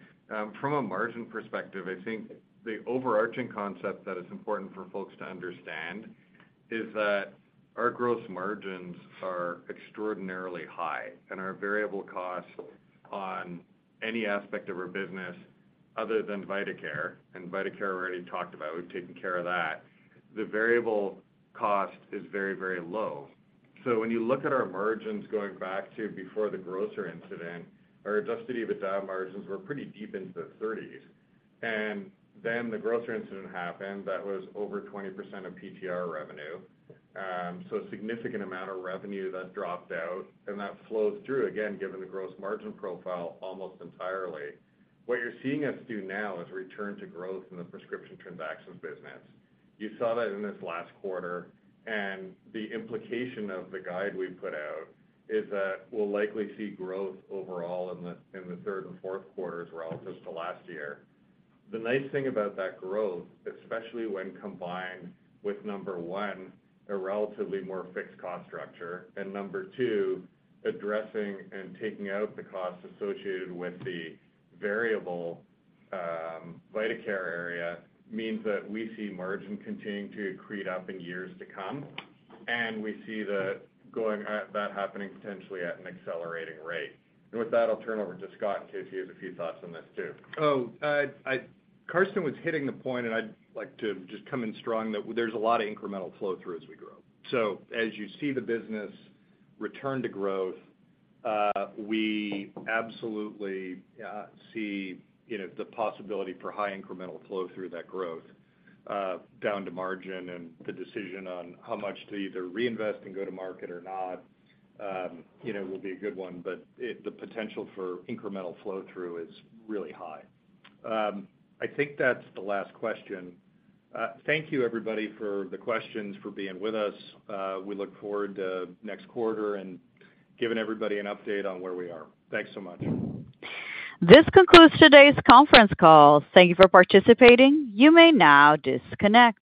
From a margin perspective, I think the overarching concept that is important for folks to understand is that our gross margins are extraordinarily high, and our variable costs on any aspect of our business other than VitaCare, and VitaCare we already talked about, we've taken care of that. The variable cost is very, very low. When you look at our margins going back to before the grocer incident, our adjusted EBITDA margins were pretty deep into the thirties. The grocer incident happened, that was over 20% of PTR revenue. A significant amount of revenue that dropped out, and that flows through, again, given the gross margin profile, almost entirely. What you're seeing us do now is return to growth in the prescription transactions business. You saw that in this last quarter, the implication of the guide we put out is that we'll likely see growth overall in the third and fourth quarters relative to last year. The nice thing about that growth, especially when combined with, number one, a relatively more fixed cost structure, and number two, addressing and taking out the costs associated with the variable, VitaCare area, means that we see margin continuing to accrete up in years to come, and we see the going, that happening potentially at an accelerating rate. With that, I'll turn it over to Scott in case he has a few thoughts on this, too. I, Carsten was hitting the point, and I'd like to just come in strong, that there's a lot of incremental flow-through as we grow. As you see the business return to growth, we absolutely see, you know, the possibility for high incremental flow through that growth down to margin, and the decision on how much to either reinvest and go to market or not, you know, will be a good one, but it, the potential for incremental flow-through is really high. I think that's the last question. Thank you, everybody, for the questions, for being with us. We look forward to next quarter and giving everybody an update on where we are. Thanks so much. This concludes today's conference call. Thank you for participating. You may now disconnect.